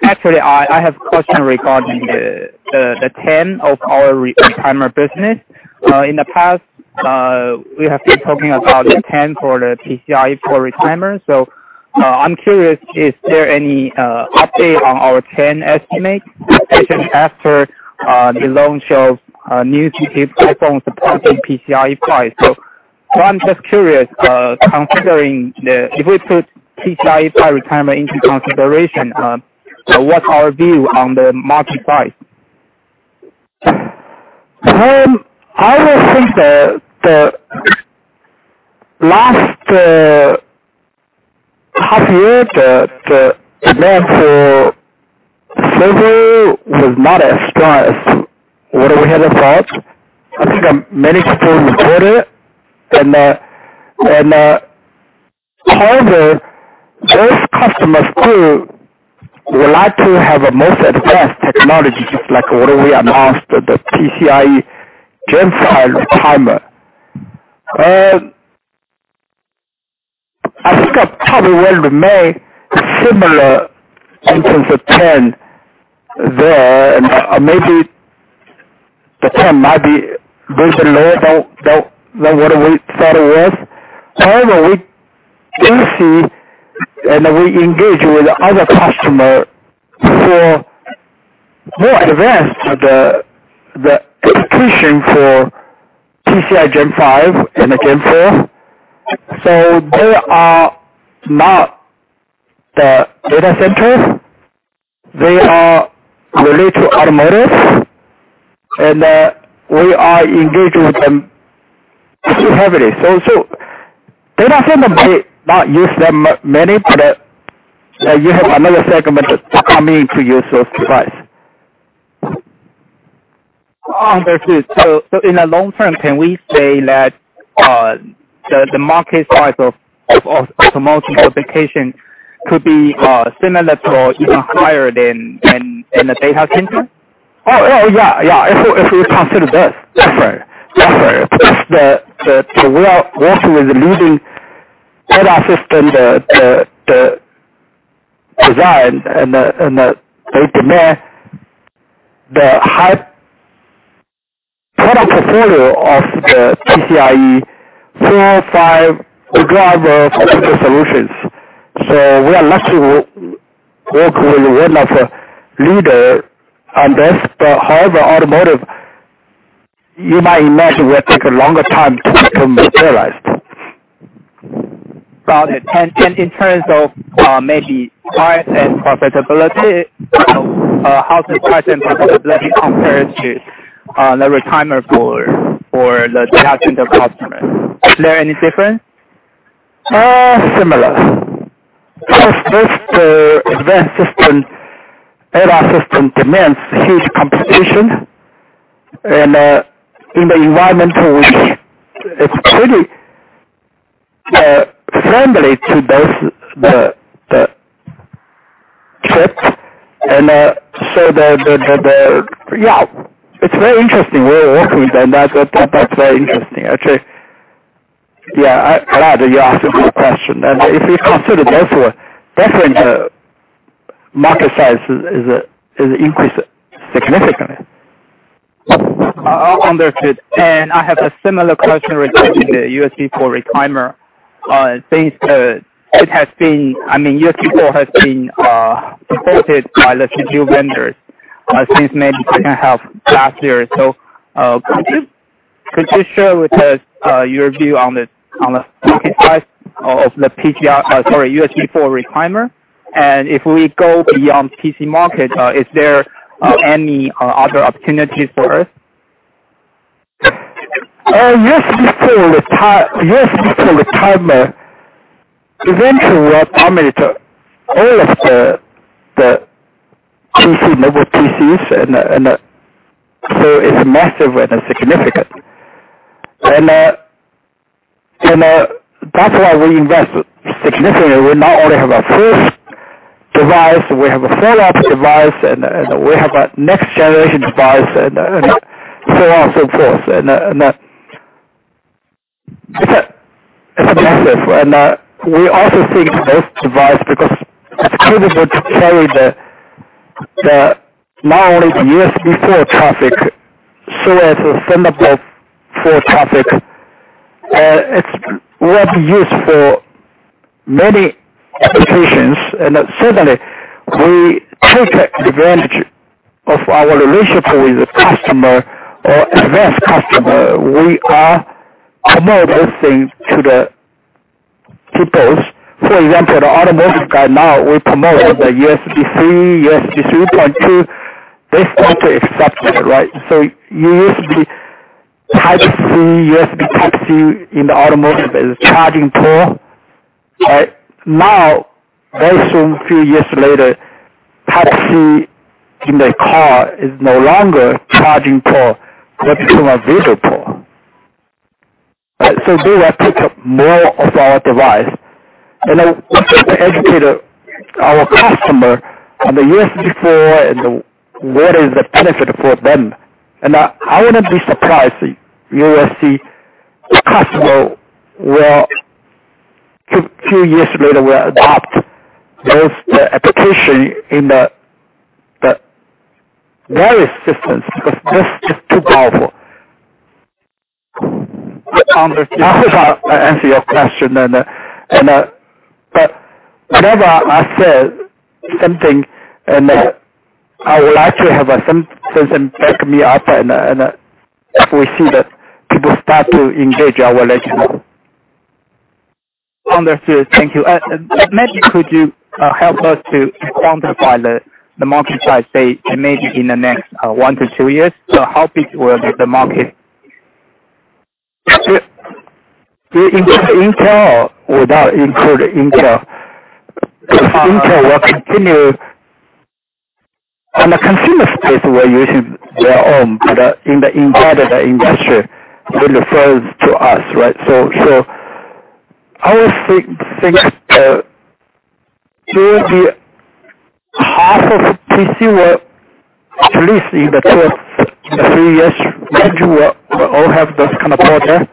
Actually, I have question regarding the ten of our retimer business. In the past, we have been talking about the ten for the PCIe 4 retimer. I'm curious, is there any update on our ten estimate, especially after the launch of new iPhone supporting PCIe 5? I'm just curious, considering if we put PCIe 5 retimer into consideration, what's our view on the market price? I would think the last half year, the demand for server was not as strong as what we had expected. I think many people reported. However, those customers too would like to have a most advanced technology, just like what we announced, the PCIe Gen 5 retimer. I think I probably will remain similar in terms of ten there, and maybe the ten might be version lower than what we thought it was. However, we do see and we engage with other customer for more advanced the execution for PCIe Gen 5 and PCIe Gen 4. They are not the data centers. They are related to automotives, and we are engaged with them pretty heavily. Data center may not use them many, but you have another segment that's coming to use those device. Understood. In the long term, can we say that the market size of automotive application could be similar to or even higher than the data center? Oh, yeah. Yeah. If you consider this. That's right. That's right. We are working with the leading product system, the design and the demand, The follow of the PCIe 4 or 5, we do have solutions. We are lucky to work with one of the leader on this. However, automotive, you might imagine will take a longer time to materialize. Got it. In terms of, maybe price and profitability, how's the price and profitability compares to the retimer for the data center customers? Is there any difference? Similar. First, the advanced system, AR system demands huge computation. In the environment which it's pretty friendly to both the chips, so the Yeah, it's very interesting. We're working with them. That's very interesting, actually. Yeah, I'm glad that you asked me that question. If you consider both of them, definitely the market size is increased significantly. Understood. I have a similar question regarding the USB four retimer. Since it has been... I mean, USB4 has been supported by the GPU vendors, since maybe two and a half last year. Could you share with us your view on the market size of the USB4 retimer? If we go beyond PC market, is there any other opportunities for us? USB4 recliner eventually will terminate all of the PC, mobile PCs and the... It's massive and significant. That's why we invest significantly. We not only have our first device, we have a follow-up device, and we have a next generation device, and so on so forth. It's a massive. We also think both device, because it's capable to carry the not only the USB4 traffic, so as a Thunderbolt 4 traffic. It's wide use for many applications. Certainly we take advantage of our relationship with the customer or advanced customer. We are promoting to the peoples. For example, the automotive guy now we promote the USB 3.2. They start to accept that, right? USB Type-C in the automotive is a charging port, right? Now, very soon, few years later, Type-C in the car is no longer charging port, but become a video port. They will pick up more of our device. We have to educate our customer on the USB4 and what is the benefit for them. I wouldn't be surprised if you will see the customer will, few years later will adopt those, the application in the various systems, because this is too powerful. Understood. I hope I answered your question. Whenever I say something and, I would like to have someone back me up and, if we see that people start to engage, I will let you know. Understood. Thank you. Maybe could you help us to quantify the market size, say, maybe in the next 1-2 years? How big will be the market? Do you include Intel or without including Intel? Because Intel will continue on the consumer space where usually they're on, but inside of the industry will refer to us, right? I would think that maybe half of PC will at least in the first three years maybe will all have those kind of product.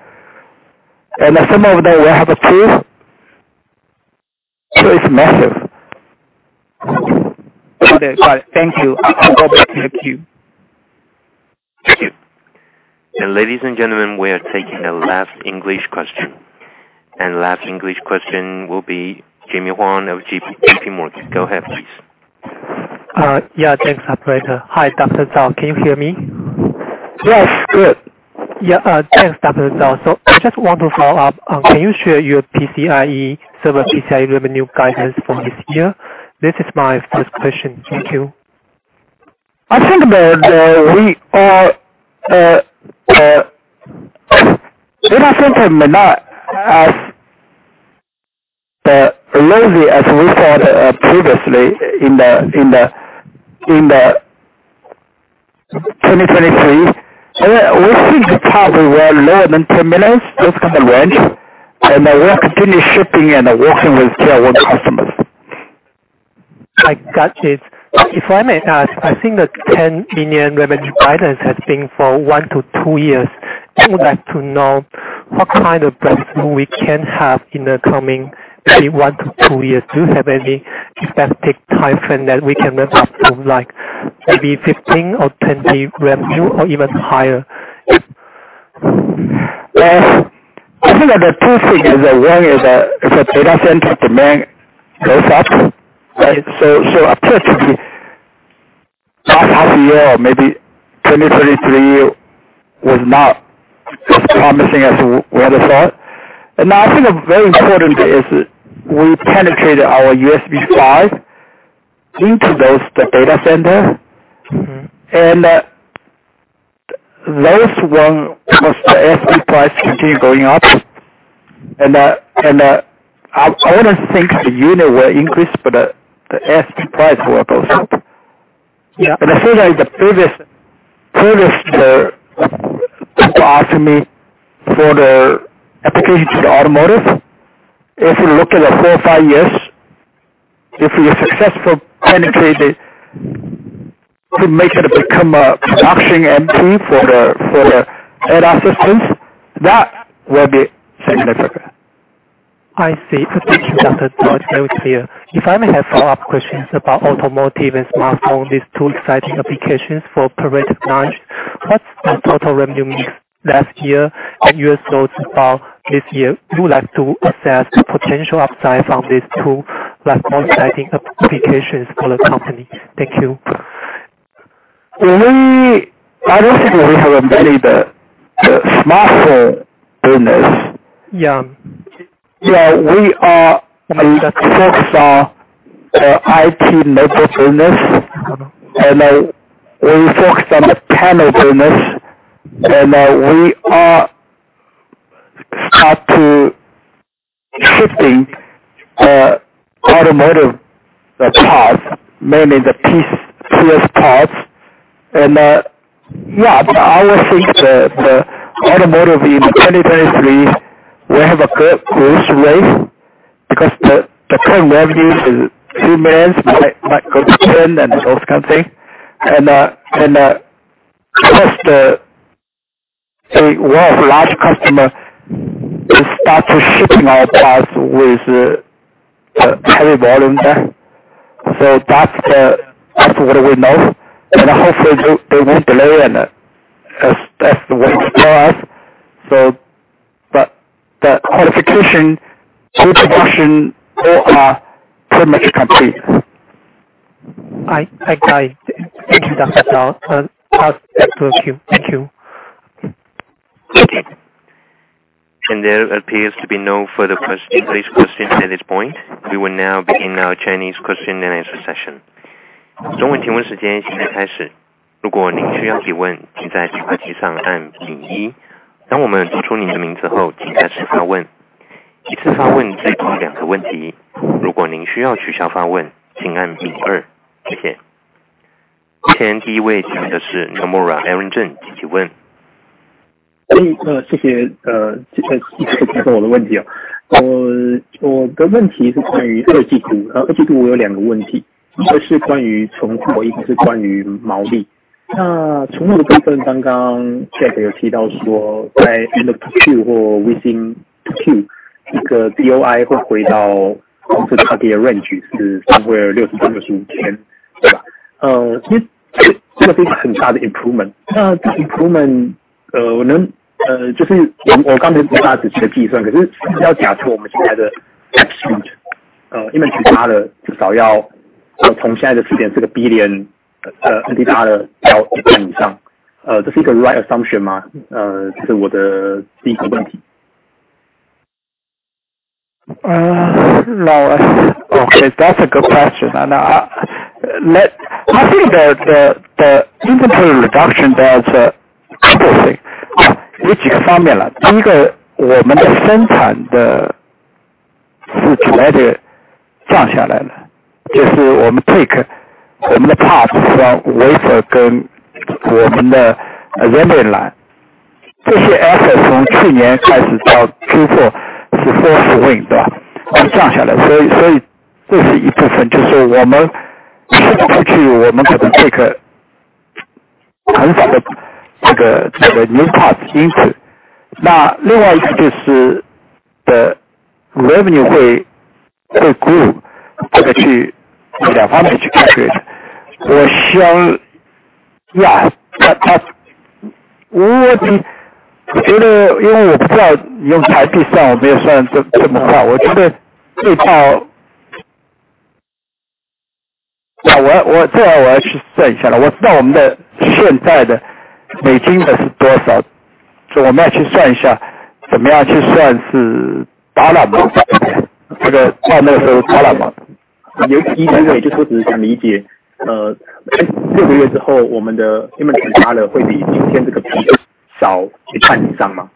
Some of them will have two. It's massive. Okay. Got it. Thank you. I'll go back to the queue. Thank you. Ladies and gentlemen, we are taking the last English question. Last English question will be Jimmy Huang of JPMorgan. Go ahead, please. Yeah. Thanks, operator. Hi, Dr. Zhao. Can you hear me? Yes. Good. Yeah. Thanks, Dr. Zhao. I just want to follow up. Can you share your PCIe, server PCIe revenue guidance for this year? This is my first question. Thank you. I think that we are data center may not as lousy as we said previously in the 2023. We think the top we were lower than $10 million, those kind of range. We are continue shipping and working with tier one customers. I got it. If I may ask, I think the $10 million revenue guidance has been for one to two years. I would like to know. What kind of revenue we can have in the coming maybe one to two years. Do you have any specific time frame that we can look up to like maybe $15 or $20 revenue or even higher? Well, I think that the two things is that one is that the data center demand goes up, right? so up to the last half year, maybe 2023 was not as promising as we ever thought. now I think a very important is we've penetrated our USB 5Gbps into the data center. Those one was the ASP price continue going up and that I wouldn't think the unit will increase but the ASP price will go up. Yeah. I feel like the previous year people ask me for the application to the automotive. If you look at the 4, 5 years, if we are successful penetrating to make it become a production MP for the ADAS, that will be significant. I see. Thank you, Dr. Zhao. Very clear. If I may have follow-up questions about automotive and smartphone, these two exciting applications for Powertech launch. What's the total revenue mix last year, and your thoughts about this year you would like to assess the potential upside from these two like more exciting applications for the company? Thank you. I don't think we have a very big smartphone business. Yeah. Yeah. Understood. We focus on IT network business, we focus on the panel business, we are start to shifting automotive parts, mainly the PS parts. Yeah, I would think that the automotive in 2023 will have a good growth rate because the current revenues is few millions, might go to $10 million and those kind of thing. Plus the One of large customer is start to shipping our parts with high volume there. That's what we know and hopefully they won't delay and that's the way to grow us. The qualification to production all are pretty much complete. I got it. Thank you, Dr. Zhao. Last question. Thank you. Thank you. There appears to be no further English questions at this point. We will now begin our Chinese question and answer session. Mandarin 问答时间现在开 始， 如果您需要提 问， 请在电话机上按井 一， 当我们读出您的名字 后， 请再次发问。一次发问可以问两个问题。如果您需要取消发 问， 请按井二。谢谢。现在第一位请的是 Nomura Aaron Jeng 请提问。谢谢。谢 谢， 感谢我的问题哦。我的问题是关于 2Q， 2Q 我有两个问 题， 一个是关于存 货， 一个是关于毛利。存货的部分刚刚 Jeff 有提到说在 end of Q2 或 within Q2， 这个 DOI 会回到公司 target range， 是 somewhere 60-65 天， 对 吧？ 其实这个是一个很大的 improvement。这个 improvement， 我能...就是 我， 我刚才不是只做了计 算， 可是要假设我们现在的 execute， 因为其他的至少要从现在的 $4 billion， 其他的要一半以 上， 这是一个 right assumption 吗？ 这是我的 first 问题。No. Okay, that's a good question. I think that the inventory reduction, there's a couple of things. 有几个方面啦。第一个我们的生产的速度有点降下来 了， 就是我们 take 我们的 parts 从 wafer 跟我们的 assembly line， 这些 assets 从去年开始到今年是 force to win 的， 降下 来， 所以这是一部 分， 就是说我们今年出 去， 我们可能 take 很少的这 个， 这个 new parts， 因此。那另外一个就是 the revenue 会 grow， 这个去从两方面去考虑。我希 望, yeah, that... 我觉得因为我不知道你用台币 算， 我没有算这么 快， 我觉得最 少， 我要去算一下啦。我知道我们的现在的美金的是多 少， 所以我们要去算一下怎么样去算是达不 到， 这个到那个时候达不到。你， 第一 个， 就是我只是想理 解， 呃， 六个月之后我们的 inventory 会比今天这个 P 少一半以上 吗？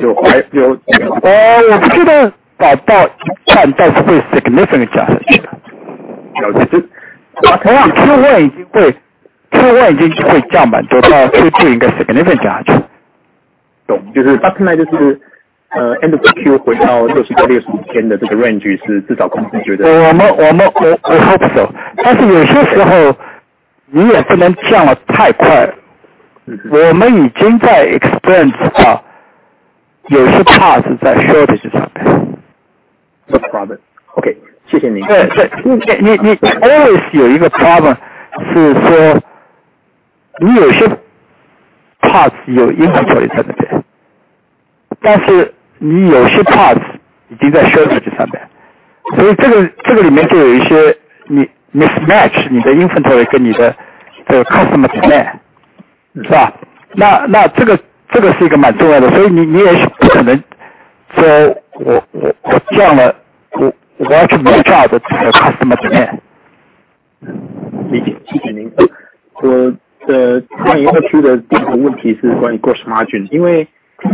就 还， 就-我不确定到一 半， 但是会 significant 降下去。就是-我想 Q1 已经 会，Q1 已经就会降蛮 多， 到 2Q 应该 significant 降下去。懂, 但现在就 是, end of Q 回到60到65天的这个 range, 是至少公司觉 得. 我们 I hope so. 有些时候你也不能降得太 快. 我们已经在 experience 到有些 parts 在 shortage 上 面. No problem. OK, 谢谢 您. 对， 你 always 有一个 problem， 是说你有些 parts 有 inventory 在那 边， 但是你有些 parts 已经在 shortage 上 边， 所以这个里面就有一些你 mismatch 你的 inventory 跟你的这个 customer demand， 是 吧？ 这个是一个蛮重要 的， 所以你也是不可能说我降 了， 我要去 match 我的 customer demand。理解，理解您。今年 Q 的第一个问题是关于 gross margin， 因为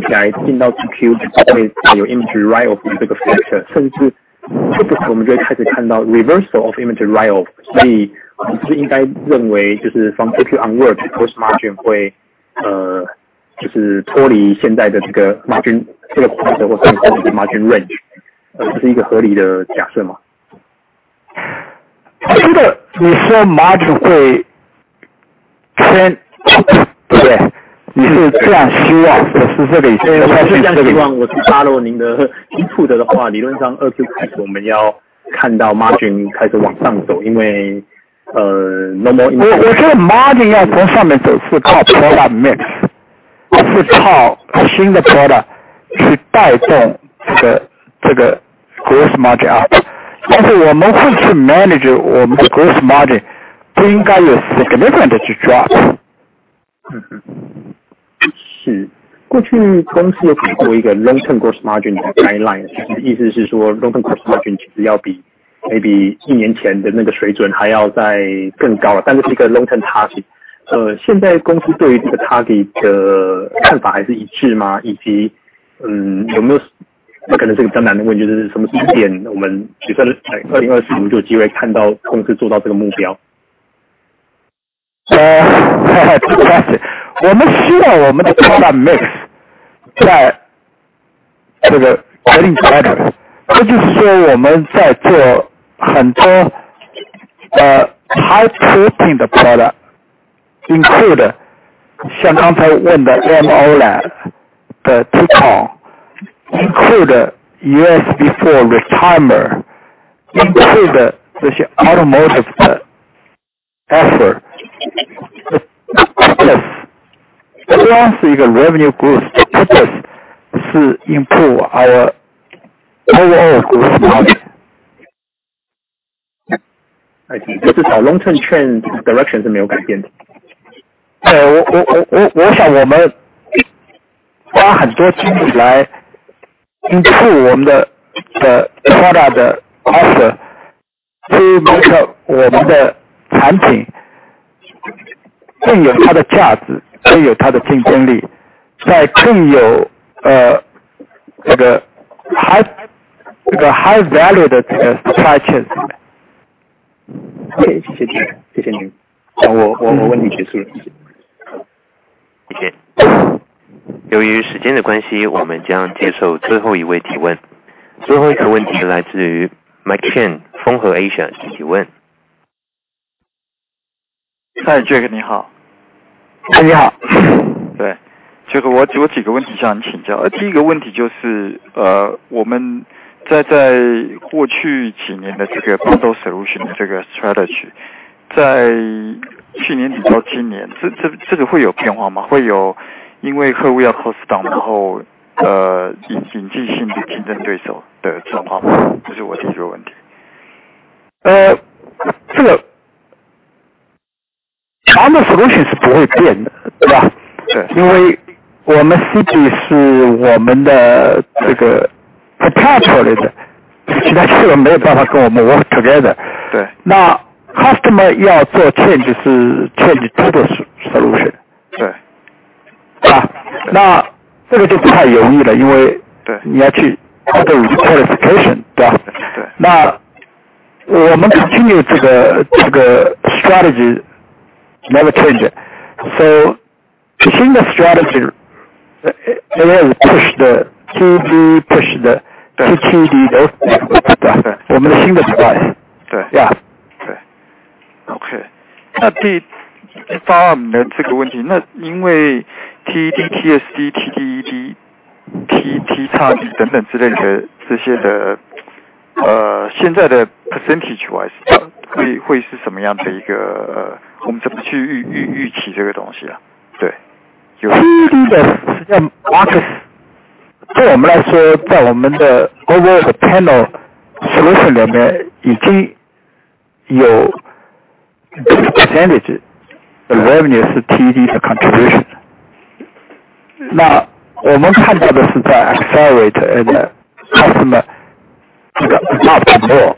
起来进到 Q2 有 image writeoff 的这个 factor， 甚至 Q4 我们就会开始看到 reversal of image writeoff， 所以我们是不是应该认为就是 from Q onward gross margin 会就是脱离现在的这个 margin， 这个 margin range， 这是一个合理的假设 吗？ 这 个， 你说 margin 会 change， 对不 对？ 你是这样希 望， 我是这个意思。我是这样希 望， 我去 follow 您的提出的 话， 理论上二次开始我们要看到 margin 开始往上 走， 因 为. 我说 margin 要从上面走是靠 product mix, 是靠新的 product 去带动这 个, 这个 gross margin up, 但是我们会去 manage 我们的 gross margin, 不应该有 significant 去 drop. 过去公司有给过一个 long term gross margin 的 guideline，意思是说 long term gross margin 其实要比 maybe 1 year ago 的那个水准还要再更高，但是是一个 long term target。现在公司对于这个 target 的看法还是一致吗？以及，有没有，可能这个很难问，就是什么时间我们比如说在 2024 就有机会看到公司做到这个目标？ Good question. 我们希望我们的 product mix 在这个 pulling product, 这就是说我们在做很多 high shipping 的 product, include 像刚才问的 OLED Tcon, include USB4 retimer, include 这些 automotive 的 offer. It 也是一个 revenue growth, purpose 是 improve our overall gross margin. 还 行, 至少 long term trend direction 是没有改变 的. 对，我想我们花很多精力来 improve 我们的 product 的 offer, to make 我们的产品更有它的价值，更有它的竞争力，在更有这个 high value 的 supply chain. 对， 谢 谢， 谢谢您。我问题结束了。谢谢。由于时间的关 系， 我们将接受最后一位提问。最后一位问题来自于 Mike Chen， FengHe Asia 提问。Hi, Jack, 你 好. 你好。对。Jack, 我几个问题向你请教。第一个问题就 是， 我们在过去几年的这个 bundle solution 的这个 strategy， 在去年底到今 年， 这个会有变化 吗？ 会有因为客户要 cost down， 然后引进新的竞争对手的变化 吗？ 这是我第一个问题。这 个，bundle solution 是不会变 的，对 吧？ 对. 因为我们 CP 是我们的这个 proprietary 的, 其他企业没有办法跟我们 work together. 对. 那 customer 要做 change 是 change 这套 solution. 对. 这个就不太容易 了， 因为 对. 你要去 follow 一些 qualification， 对 吧？ 对. 那我们 continue 这 个, 这个 strategy never change. 新的 strategy 也有 push the TD, push the TTD 的, 我们的新的 supply. 对. Yeah。对。OK，第 二我们的这个问 题，因 为 TD、TSD、TDD、TTcon 等等之类的这些 的，现 在的 percentage wise 会是什么样的一 个... 我们怎么去预期这个东西 啊？对。TD 的 market 对我们来 说, 在我们的 global panel solution 里面已经有 this percentage, the revenue 是 TD 的 contribution. 我们看到的是在 accelerate and customer, 这个 adopt more.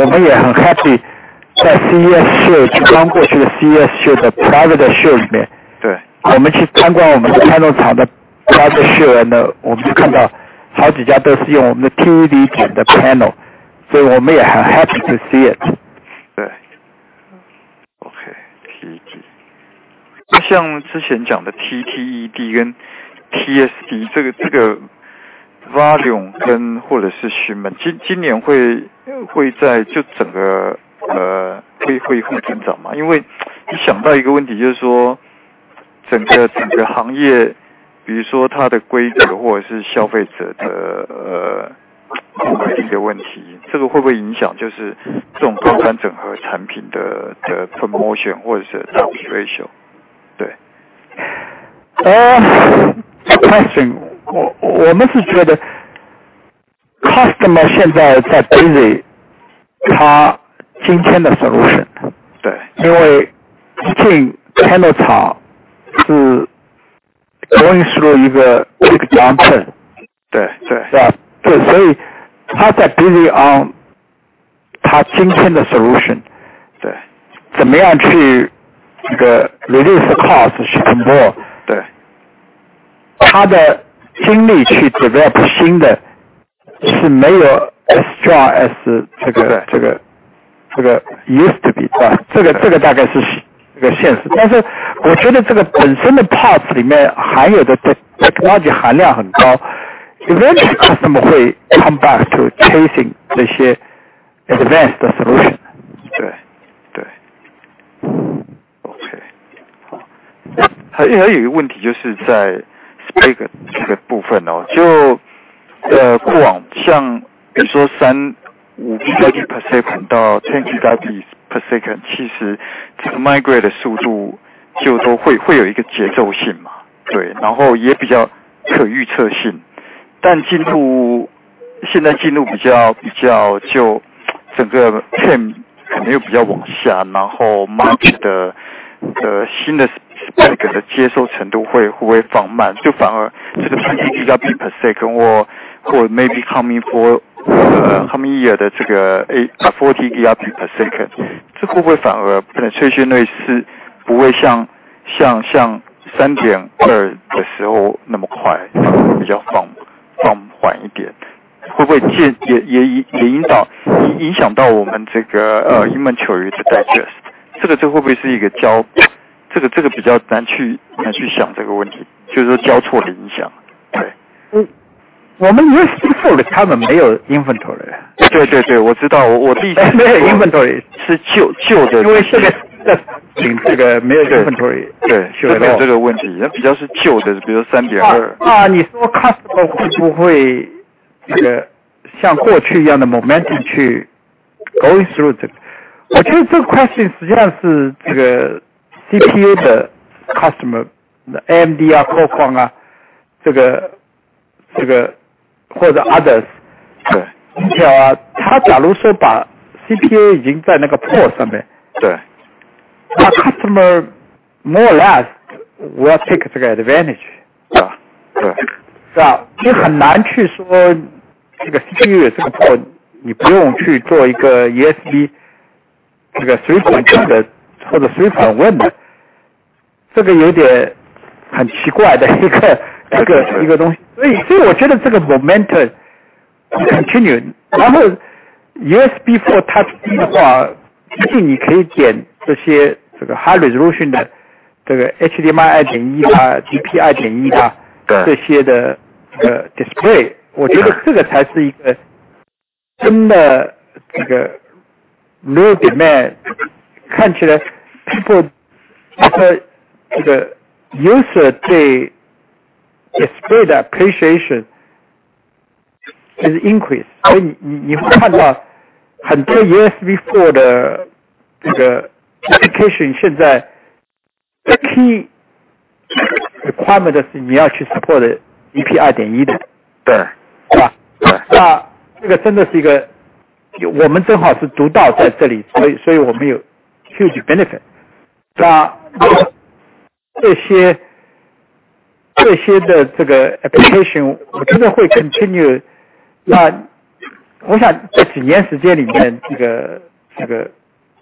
我们也很 happy, 在 CES show, 就刚过去的 CES show 的 private show 里 面. 对. 我们去参观我们的 panel 厂的 private show. 我们就看到好几家都是用我们的 TD 点的 panel. 我们也很 happy to see it. 对。OK。像 之前讲的 TTED 跟 TSD， 这个 volume 跟或者是 demand， 今年会在就整个增长 吗？ 因为想到一个问题就是说整个行 业， 比如说它的规格或者是消费者的购买力的问 题， 这个会不会影响就是这种端端整合产品的 promotion 或者是英 文？ Good question. 我们是觉得 customer 现在在 busy 他今天的 solution. 对. 因为今天通道商是 going through 一个 big downturn. 对对。对, 他在 busy on 他今天的 solution. 对. 怎么样去这个 release cost 是更 多. 对. 他的精力去 develop 新的是没有 as strong as 这个 used to be. 这个大概是这个现 实, 但是我觉得这个本身的 parts 里面含有的 technology 含量很 高, eventually customer 会 come back to chasing 这些 advanced 的 solution. 对 对. OK, 好. 还有一个问题就是在 spec 这个部分 哦, 就, 过往像比如说 3-5 gigabit per second 到10 gigabit per second, 其实这个 migrate 的速度就说会有一个节奏性 嘛. 对. 也比较可预测 性， 现在进入比 较， 就整个 trend 肯定比较往 下， 然后 market 的新的 spec 的接受程度会不会放 慢， 就反而这个10 Gbps 或 maybe coming for coming year 的40 Gbps， 这会不会反而 potentially 是不会像 USB 3.2 的时候那么 快， 比较放缓一 点， 会不会也影响到我们这个 inventory 的 digest， 这个会不会是一个比较难 去， 难去想这个问 题， 就是说交错的影响。对。我们英文他们没有 inventory。对对 对, 我知 道, 我的意思是-没有 inventory 是旧 的. 这个没有 inventory. 对, 就没有这个问 题, 那比较是旧 的, 比如 3.2. 你说 customer 会不 会， 像过去一样的 momentum 去 going through 这 个， 我觉得这个 question 实际上是这个 CPU 的 customer，AMD 啊， 科皇 啊， 或者 others. 对. 他假如说把 CPU 已经在那个 port 上 面. 对. 那 customer more or less will take 这个 advantage。是 吧？ 对. 是 吧？ 你很难去说这个 CPU 这个 port， 你不用去做一个 USB， 这个 suppliers 的或者 suppliers 问 的， 这个有点很奇怪的一个 东西. 我觉得这个 momentum continue. USB4 Touch D 的 话， 毕竟你可以点这 些， 这个 high resolution 的， 这个 HDMI 2.1 啊 ，DP 2.1 啊. 对. 这些的这个 display, 我觉得这个才是一个真的这个 real demand. 看起来 people, user 对 display 的 appreciation 是 increase. 你会看到很多 USB4 的这个 application, 现在 key requirement 是你要去 support DP 2.1 的. 对. 是 吧？ 对. 这个真的是一 个， 我们正好是独到在这 里， 所 以， 所以我们有 huge benefit. 这 些， 这些的这个 application 我觉得会 continue. 我想这几年时间里 面， 这 个， 这个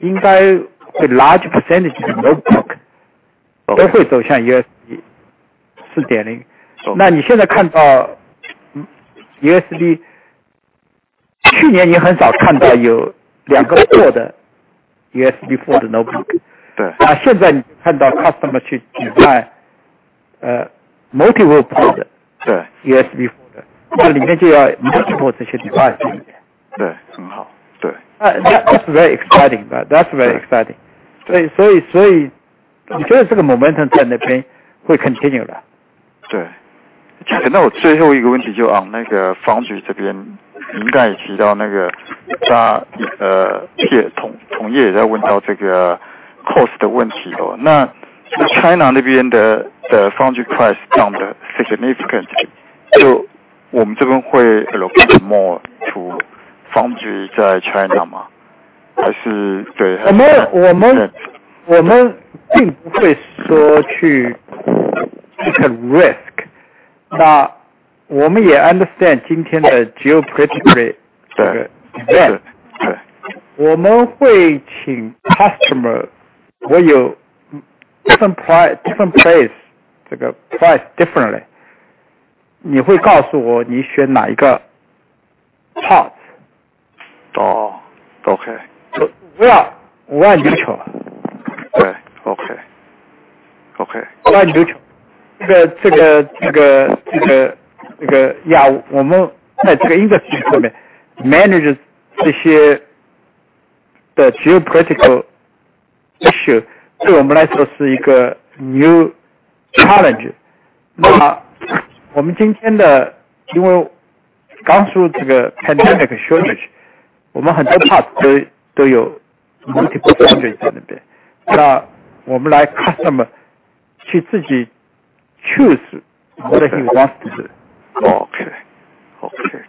应该会 large percentage notebook 都会走向 USB4. 你现在看到 USB， 去年你很少看到有2 port 的 USB4 的 notebook. 对. 那现在你看到 customer 去 买， multiple port. 对. USB4 的，那 里面就要 multiple 这些 device. 对, 很好. 对. That's very exciting. That's very exciting. 对， 所 以， 所以我觉得这个 momentum 在那边会 continue 的. 对. 我最后一个问 题， 就 on 那个 foundry 这边， 您刚才也提到 那个， 大家， 同业也在问到这个 cost 的 问题， China 那边的 foundry price 降得 significant， 就我们这边会 allocate more to foundry 在 China 吗？ 还是我们并不会说去 take risk, 我们也 understand 今天的 geopolitical. 对. 这 个. 对. 我们会请 customer 或有 different different place， 这个 price differently. 你会告诉我你选哪一个 parts. OK. We are neutral. 对, OK. We are neutral. 我们在这个英文后面 manage 这些的地 geopolitical issue, 对我们来说是一个 new challenge. 我们今天 的, 因为刚说这个 pandemic shortage, 我们很多 parts 都有 multiple foundry 在那 边, 我们来 custom 去自己 choose what he wants to. OK,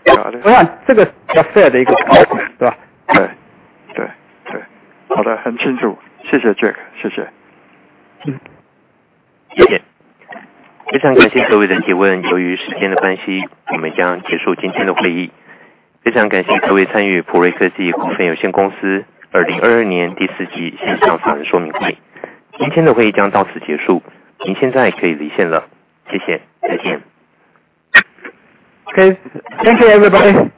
got it. 这个是 fair 的一个做 法， 是吧？对对对。好 的， 很清楚。谢谢 Jack。谢谢。嗯。非常感谢各位的提 问， 由于时间的关 系， 我们将结束今天的会议。非常感谢各位参与譜瑞科技股份有限公司 2022年第四季线上财报说明会。今天的会议将到此结 束， 您现在可以离线了。谢谢。再见。OK, thank you everybody.